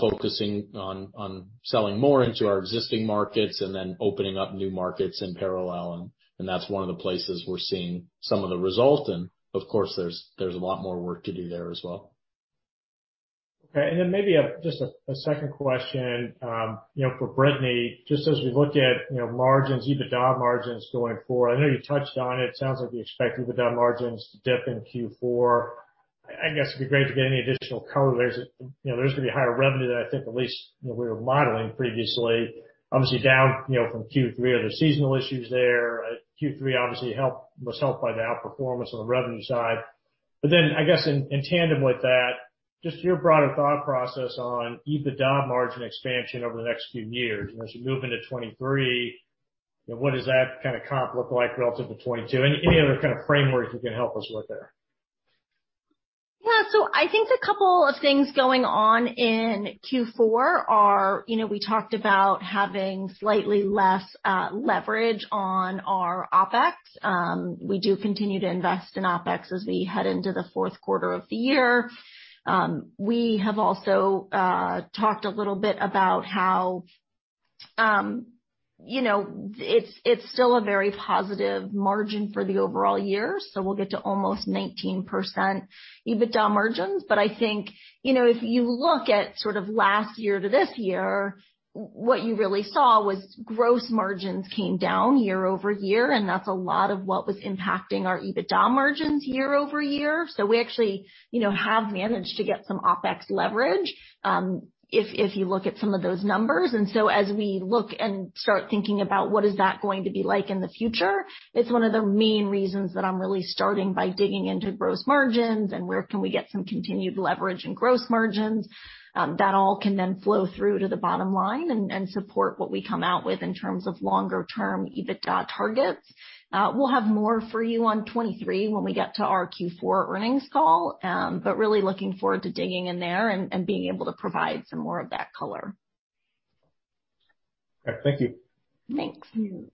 focusing on selling more into our existing markets and then opening up new markets in parallel, and that's one of the places we're seeing some of the results. Of course, there's a lot more work to do there as well. Okay. Maybe just a second question for Brittany, just as we look at margins, EBITDA margins going forward, I know you touched on it sounds like you expect EBITDA margins to dip in Q4. I guess it'd be great to get any additional color. There's going to be higher revenue than I think at least we were modeling previously. Obviously down from Q3. Are there seasonal issues there? Q3 obviously was helped by the outperformance on the revenue side. I guess in tandem with that, just your broader thought process on EBITDA margin expansion over the next few years. As we move into 2023, what does that kind of comp look like relative to 2022? Any other kind of frameworks you can help us with there? I think the couple of things going on in Q4 are, we talked about having slightly less leverage on our OpEx. We do continue to invest in OpEx as we head into the fourth quarter of the year. We have also talked a little bit about how it's still a very positive margin for the overall year, so we'll get to almost 19% EBITDA margins. I think, if you look at last year to this year, what you really saw was gross margins came down year-over-year, and that's a lot of what was impacting our EBITDA margins year-over-year. We actually have managed to get some OpEx leverage, if you look at some of those numbers. As we look and start thinking about what is that going to be like in the future, it's one of the main reasons that I'm really starting by digging into gross margins and where can we get some continued leverage in gross margins. That all can then flow through to the bottom line and support what we come out with in terms of longer-term EBITDA targets. We'll have more for you on 2023 when we get to our Q4 earnings call, really looking forward to digging in there and being able to provide some more of that color. Okay, thank you. Thank you.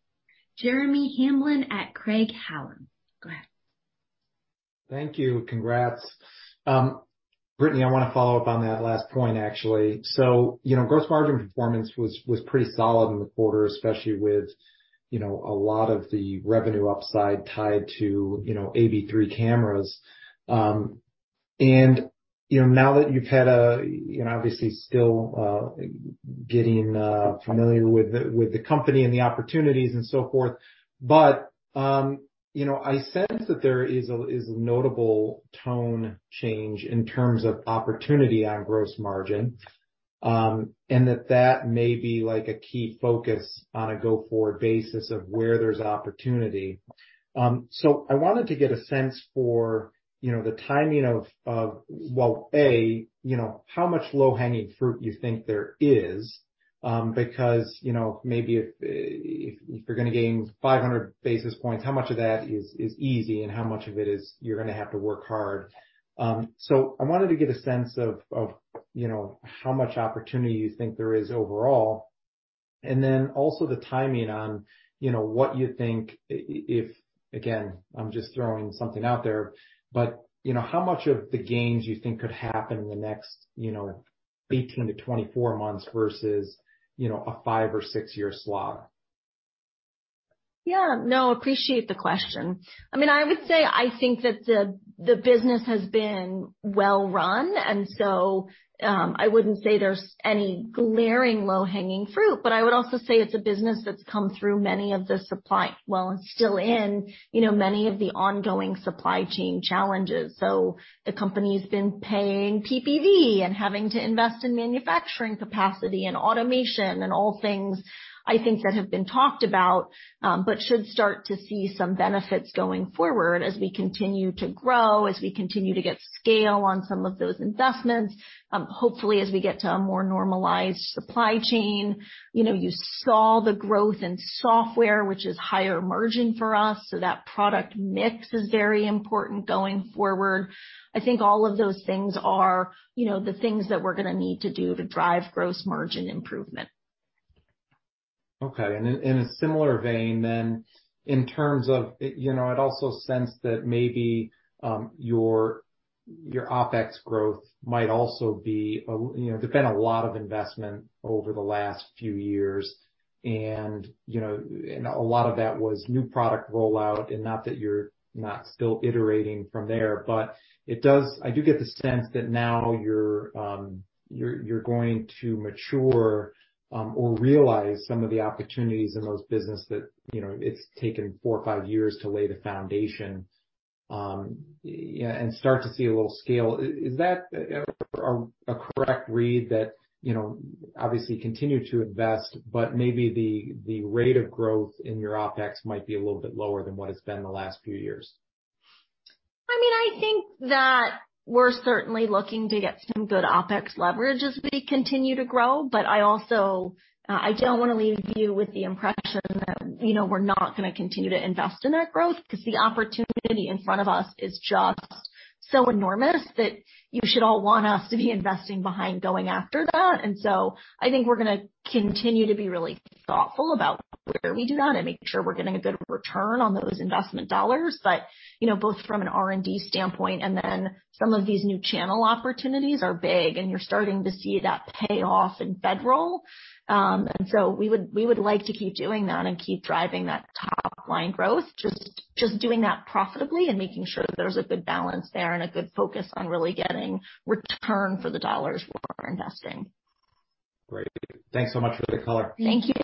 Jeremy Hamblin at Craig-Hallum. Go ahead. Thank you. Congrats. Brittany, I want to follow up on that last point, actually. Gross margin performance was pretty solid in the quarter, especially with a lot of the revenue upside tied to AB3 cameras. Now that you've had a—obviously still getting familiar with the company and the opportunities and so forth. I sense that there is a notable tone change in terms of opportunity on gross margin, and that that may be a key focus on a go-forward basis of where there's opportunity. I wanted to get a sense for the timing of, well, A, how much low-hanging fruit you think there is, because maybe if you're going to gain 500 basis points, how much of that is easy and how much of it is you're going to have to work hard? I wanted to get a sense of how much opportunity you think there is overall, and then also the timing on what you think if, again, I'm just throwing something out there, but how much of the gains you think could happen in the next 18 to 24 months versus a five or six year slog? Yeah, no, appreciate the question. I would say, I think that the business has been well run, I wouldn't say there's any glaring low-hanging fruit, I would also say it's a business that's still in many of the ongoing supply chain challenges. The company's been paying PPV and having to invest in manufacturing capacity and automation and all things, I think that have been talked about, but should start to see some benefits going forward as we continue to grow, as we continue to get scale on some of those investments. Hopefully, as we get to a more normalized supply chain. You saw the growth in software, which is higher margin for us, that product mix is very important going forward. I think all of those things are the things that we're going to need to do to drive gross margin improvement. Okay. In a similar vein then, I'd also sense that maybe your OpEx growth might also be. There's been a lot of investment over the last few years. A lot of that was new product rollout. Not that you're not still iterating from there, I do get the sense that now you're going to mature or realize some of the opportunities in those business that it's taken four or five years to lay the foundation, and start to see a little scale. Is that a correct read that obviously you continue to invest, maybe the rate of growth in your OpEx might be a little bit lower than what it's been in the last few years? I think that we're certainly looking to get some good OpEx leverage as we continue to grow. I also don't want to leave you with the impression that we're not going to continue to invest in that growth because the opportunity in front of us is just so enormous that you should all want us to be investing behind going after that. I think we're going to continue to be really thoughtful about where we do that and making sure we're getting a good return on those investment dollars. Both from an R&D standpoint, and then some of these new channel opportunities are big, and you're starting to see that pay off in federal. We would like to keep doing that and keep driving that top-line growth. Just doing that profitably and making sure that there's a good balance there and a good focus on really getting return for the dollars we're investing. Great. Thanks so much for the color. Thank you.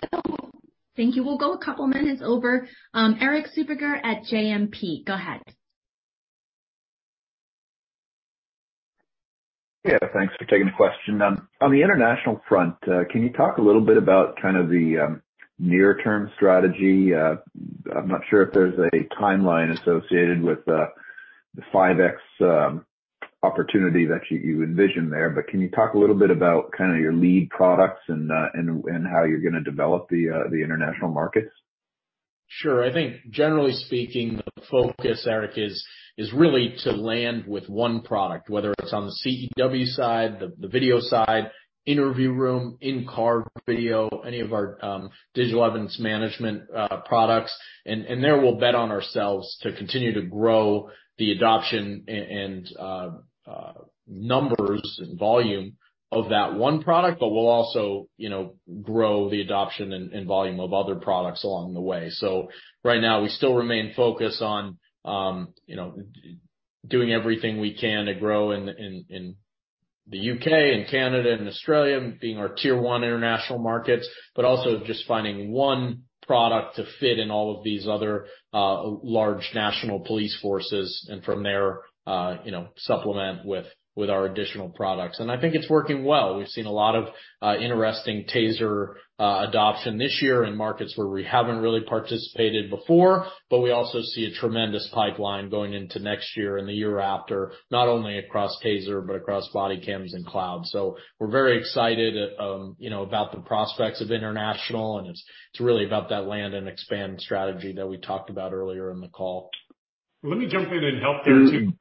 Thank you. We'll go a couple minutes over. Erik Suppiger at JMP. Go ahead. Yeah, thanks for taking the question. On the international front, can you talk a little bit about kind of the near-term strategy? I'm not sure if there's a timeline associated with the 5x opportunity that you envision there, but can you talk a little bit about kind of your lead products and how you're going to develop the international markets? Sure. I think generally speaking, the focus, Erik, is really to land with one product, whether it's on the CEW side, the video side, interview room, in-car video, any of our digital evidence management products. There we'll bet on ourselves to continue to grow the adoption and numbers and volume of that one product. We'll also grow the adoption and volume of other products along the way. Right now, we still remain focused on doing everything we can to grow in the U.K. and Canada and Australia being our tier 1 international markets. Also just finding one product to fit in all of these other large national police forces, and from there supplement with our additional products. I think it's working well. We've seen a lot of interesting TASER adoption this year in markets where we haven't really participated before, but we also see a tremendous pipeline going into next year and the year after, not only across TASER, but across body cams and cloud. We're very excited about the prospects of international, it's really about that land and expand strategy that we talked about earlier in the call. Let me jump in and help there, too.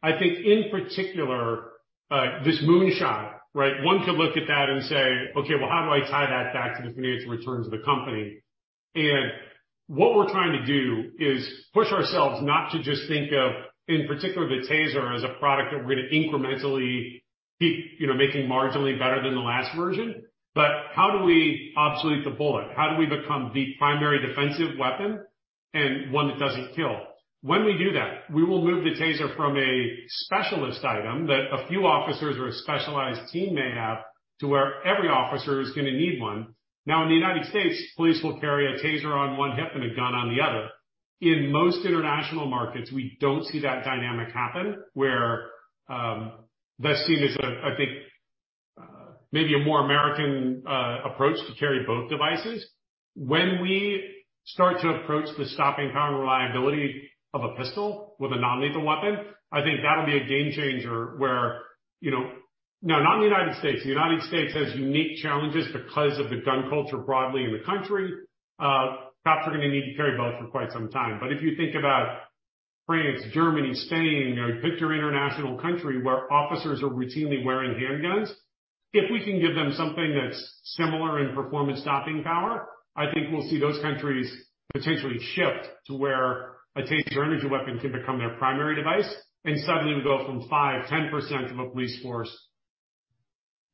I think in particular, this moonshot, right? One could look at that and say, "Okay, well, how do I tie that back to the financial returns of the company?" What we're trying to do is push ourselves not to just think of, in particular, the TASER as a product that we're going to incrementally keep making marginally better than the last version. How do we obsolete the bullet? How do we become the primary defensive weapon and one that doesn't kill? When we do that, we will move the TASER from a specialist item that a few officers or a specialized team may have to where every officer is going to need one. Now, in the United States, police will carry a TASER on one hip and a gun on the other. In most international markets, we don't see that dynamic happen where that's seen as, I think, maybe a more American approach to carry both devices. When we start to approach the stopping power and reliability of a pistol with a non-lethal weapon, I think that'll be a game changer where not in the United States. The United States has unique challenges because of the gun culture broadly in the country. Cops are going to need to carry both for quite some time. If you think about France, Germany, Spain, picture international country where officers are routinely wearing handguns. If we can give them something that's similar in performance stopping power, I think we'll see those countries potentially shift to where a TASER energy weapon can become their primary device, suddenly we go from 5%-10% of a police force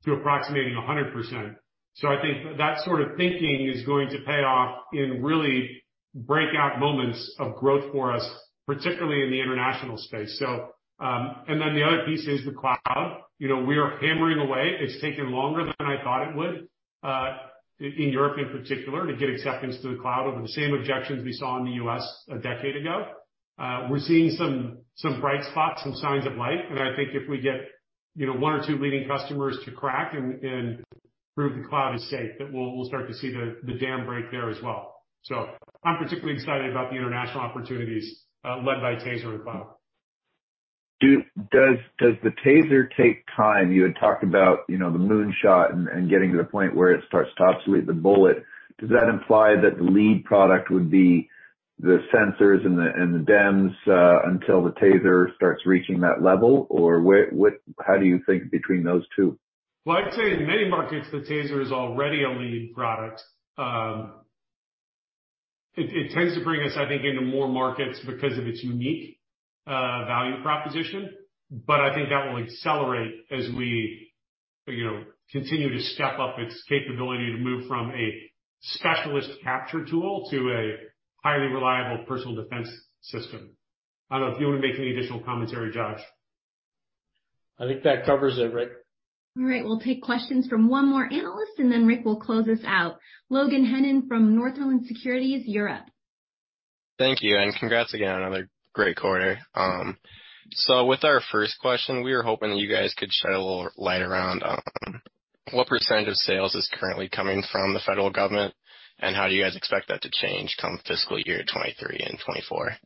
To approximating 100%. I think that sort of thinking is going to pay off in really breakout moments of growth for us, particularly in the international space. The other piece is the cloud. We are hammering away. It's taken longer than I thought it would, in Europe in particular, to get acceptance to the cloud over the same objections we saw in the U.S. a decade ago. We're seeing some bright spots, some signs of light, I think if we get one or two leading customers to crack and prove the cloud is safe, that we'll start to see the dam break there as well. I'm particularly excited about the international opportunities led by TASER and cloud. Does the TASER take time? You had talked about the moon shot and getting to the point where it starts to obsolete the bullet. Does that imply that the lead product would be the sensors and the DEMS until the TASER starts reaching that level? Or how do you think between those two? Well, I'd say in many markets, the TASER is already a lead product. It tends to bring us, I think, into more markets because of its unique value proposition. I think that will accelerate as we continue to step up its capability to move from a specialist capture tool to a highly reliable personal defense system. I don't know if you want to make any additional commentary, Josh. I think that covers it, Rick. All right. We'll take questions from one more analyst, and then Rick will close us out. Logan Hennon from Northland Securities Europe. Thank you, and congrats again on another great quarter. With our first question, we were hoping that you guys could shed a little light around what % of sales is currently coming from the federal government, and how do you guys expect that to change come fiscal year 2023 and 2024?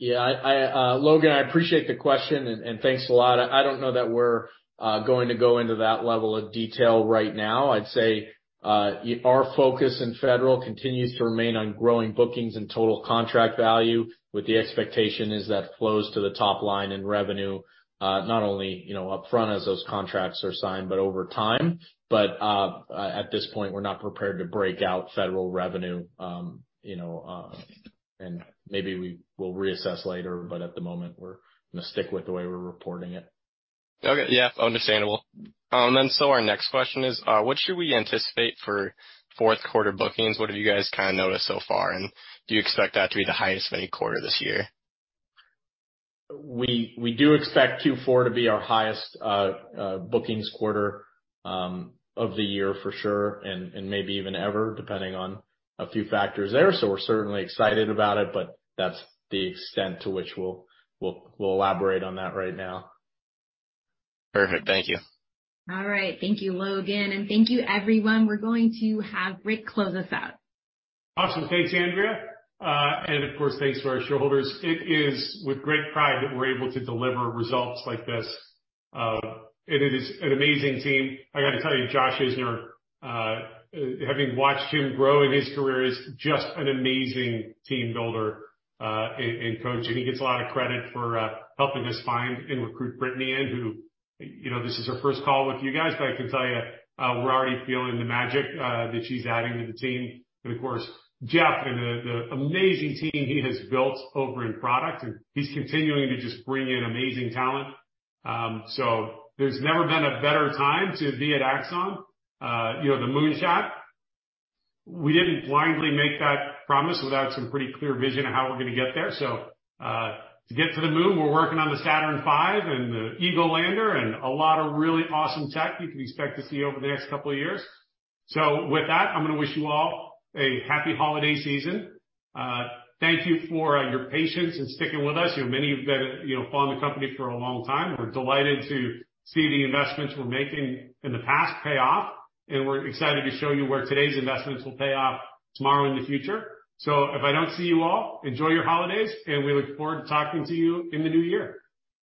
Yeah, Logan, I appreciate the question, and thanks a lot. I don't know that we're going to go into that level of detail right now. I'd say our focus in federal continues to remain on growing bookings and total contract value with the expectation is that flows to the top line in revenue, not only upfront as those contracts are signed, but over time. At this point, we're not prepared to break out federal revenue. Maybe we'll reassess later, but at the moment, we're going to stick with the way we're reporting it. Okay. Yeah. Understandable. Our next question is, what should we anticipate for fourth quarter bookings? What have you guys noticed so far, and do you expect that to be the highest of any quarter this year? We do expect Q4 to be our highest bookings quarter of the year for sure, and maybe even ever, depending on a few factors there. We're certainly excited about it, but that's the extent to which we'll elaborate on that right now. Perfect. Thank you. All right. Thank you, Logan, and thank you, everyone. We're going to have Rick close us out. Awesome. Thanks, Andrea. Of course, thanks to our shareholders. It is with great pride that we're able to deliver results like this. It is an amazing team. I got to tell you, Josh Isner, having watched him grow in his career, is just an amazing team builder and coach. He gets a lot of credit for helping us find and recruit Brittany in who, this is her first call with you guys, but I can tell you, we're already feeling the magic that she's adding to the team. Of course, Jeff and the amazing team he has built over in product, and he's continuing to just bring in amazing talent. There's never been a better time to be at Axon. The moon shot, we didn't blindly make that promise without some pretty clear vision of how we're going to get there. To get to the moon, we're working on the Saturn V and the Eagle lander and a lot of really awesome tech you can expect to see over the next couple of years. With that, I'm going to wish you all a happy holiday season. Thank you for your patience in sticking with us. Many of you have been following the company for a long time. We're delighted to see the investments we're making in the past pay off, and we're excited to show you where today's investments will pay off tomorrow in the future. If I don't see you all, enjoy your holidays, and we look forward to talking to you in the new year.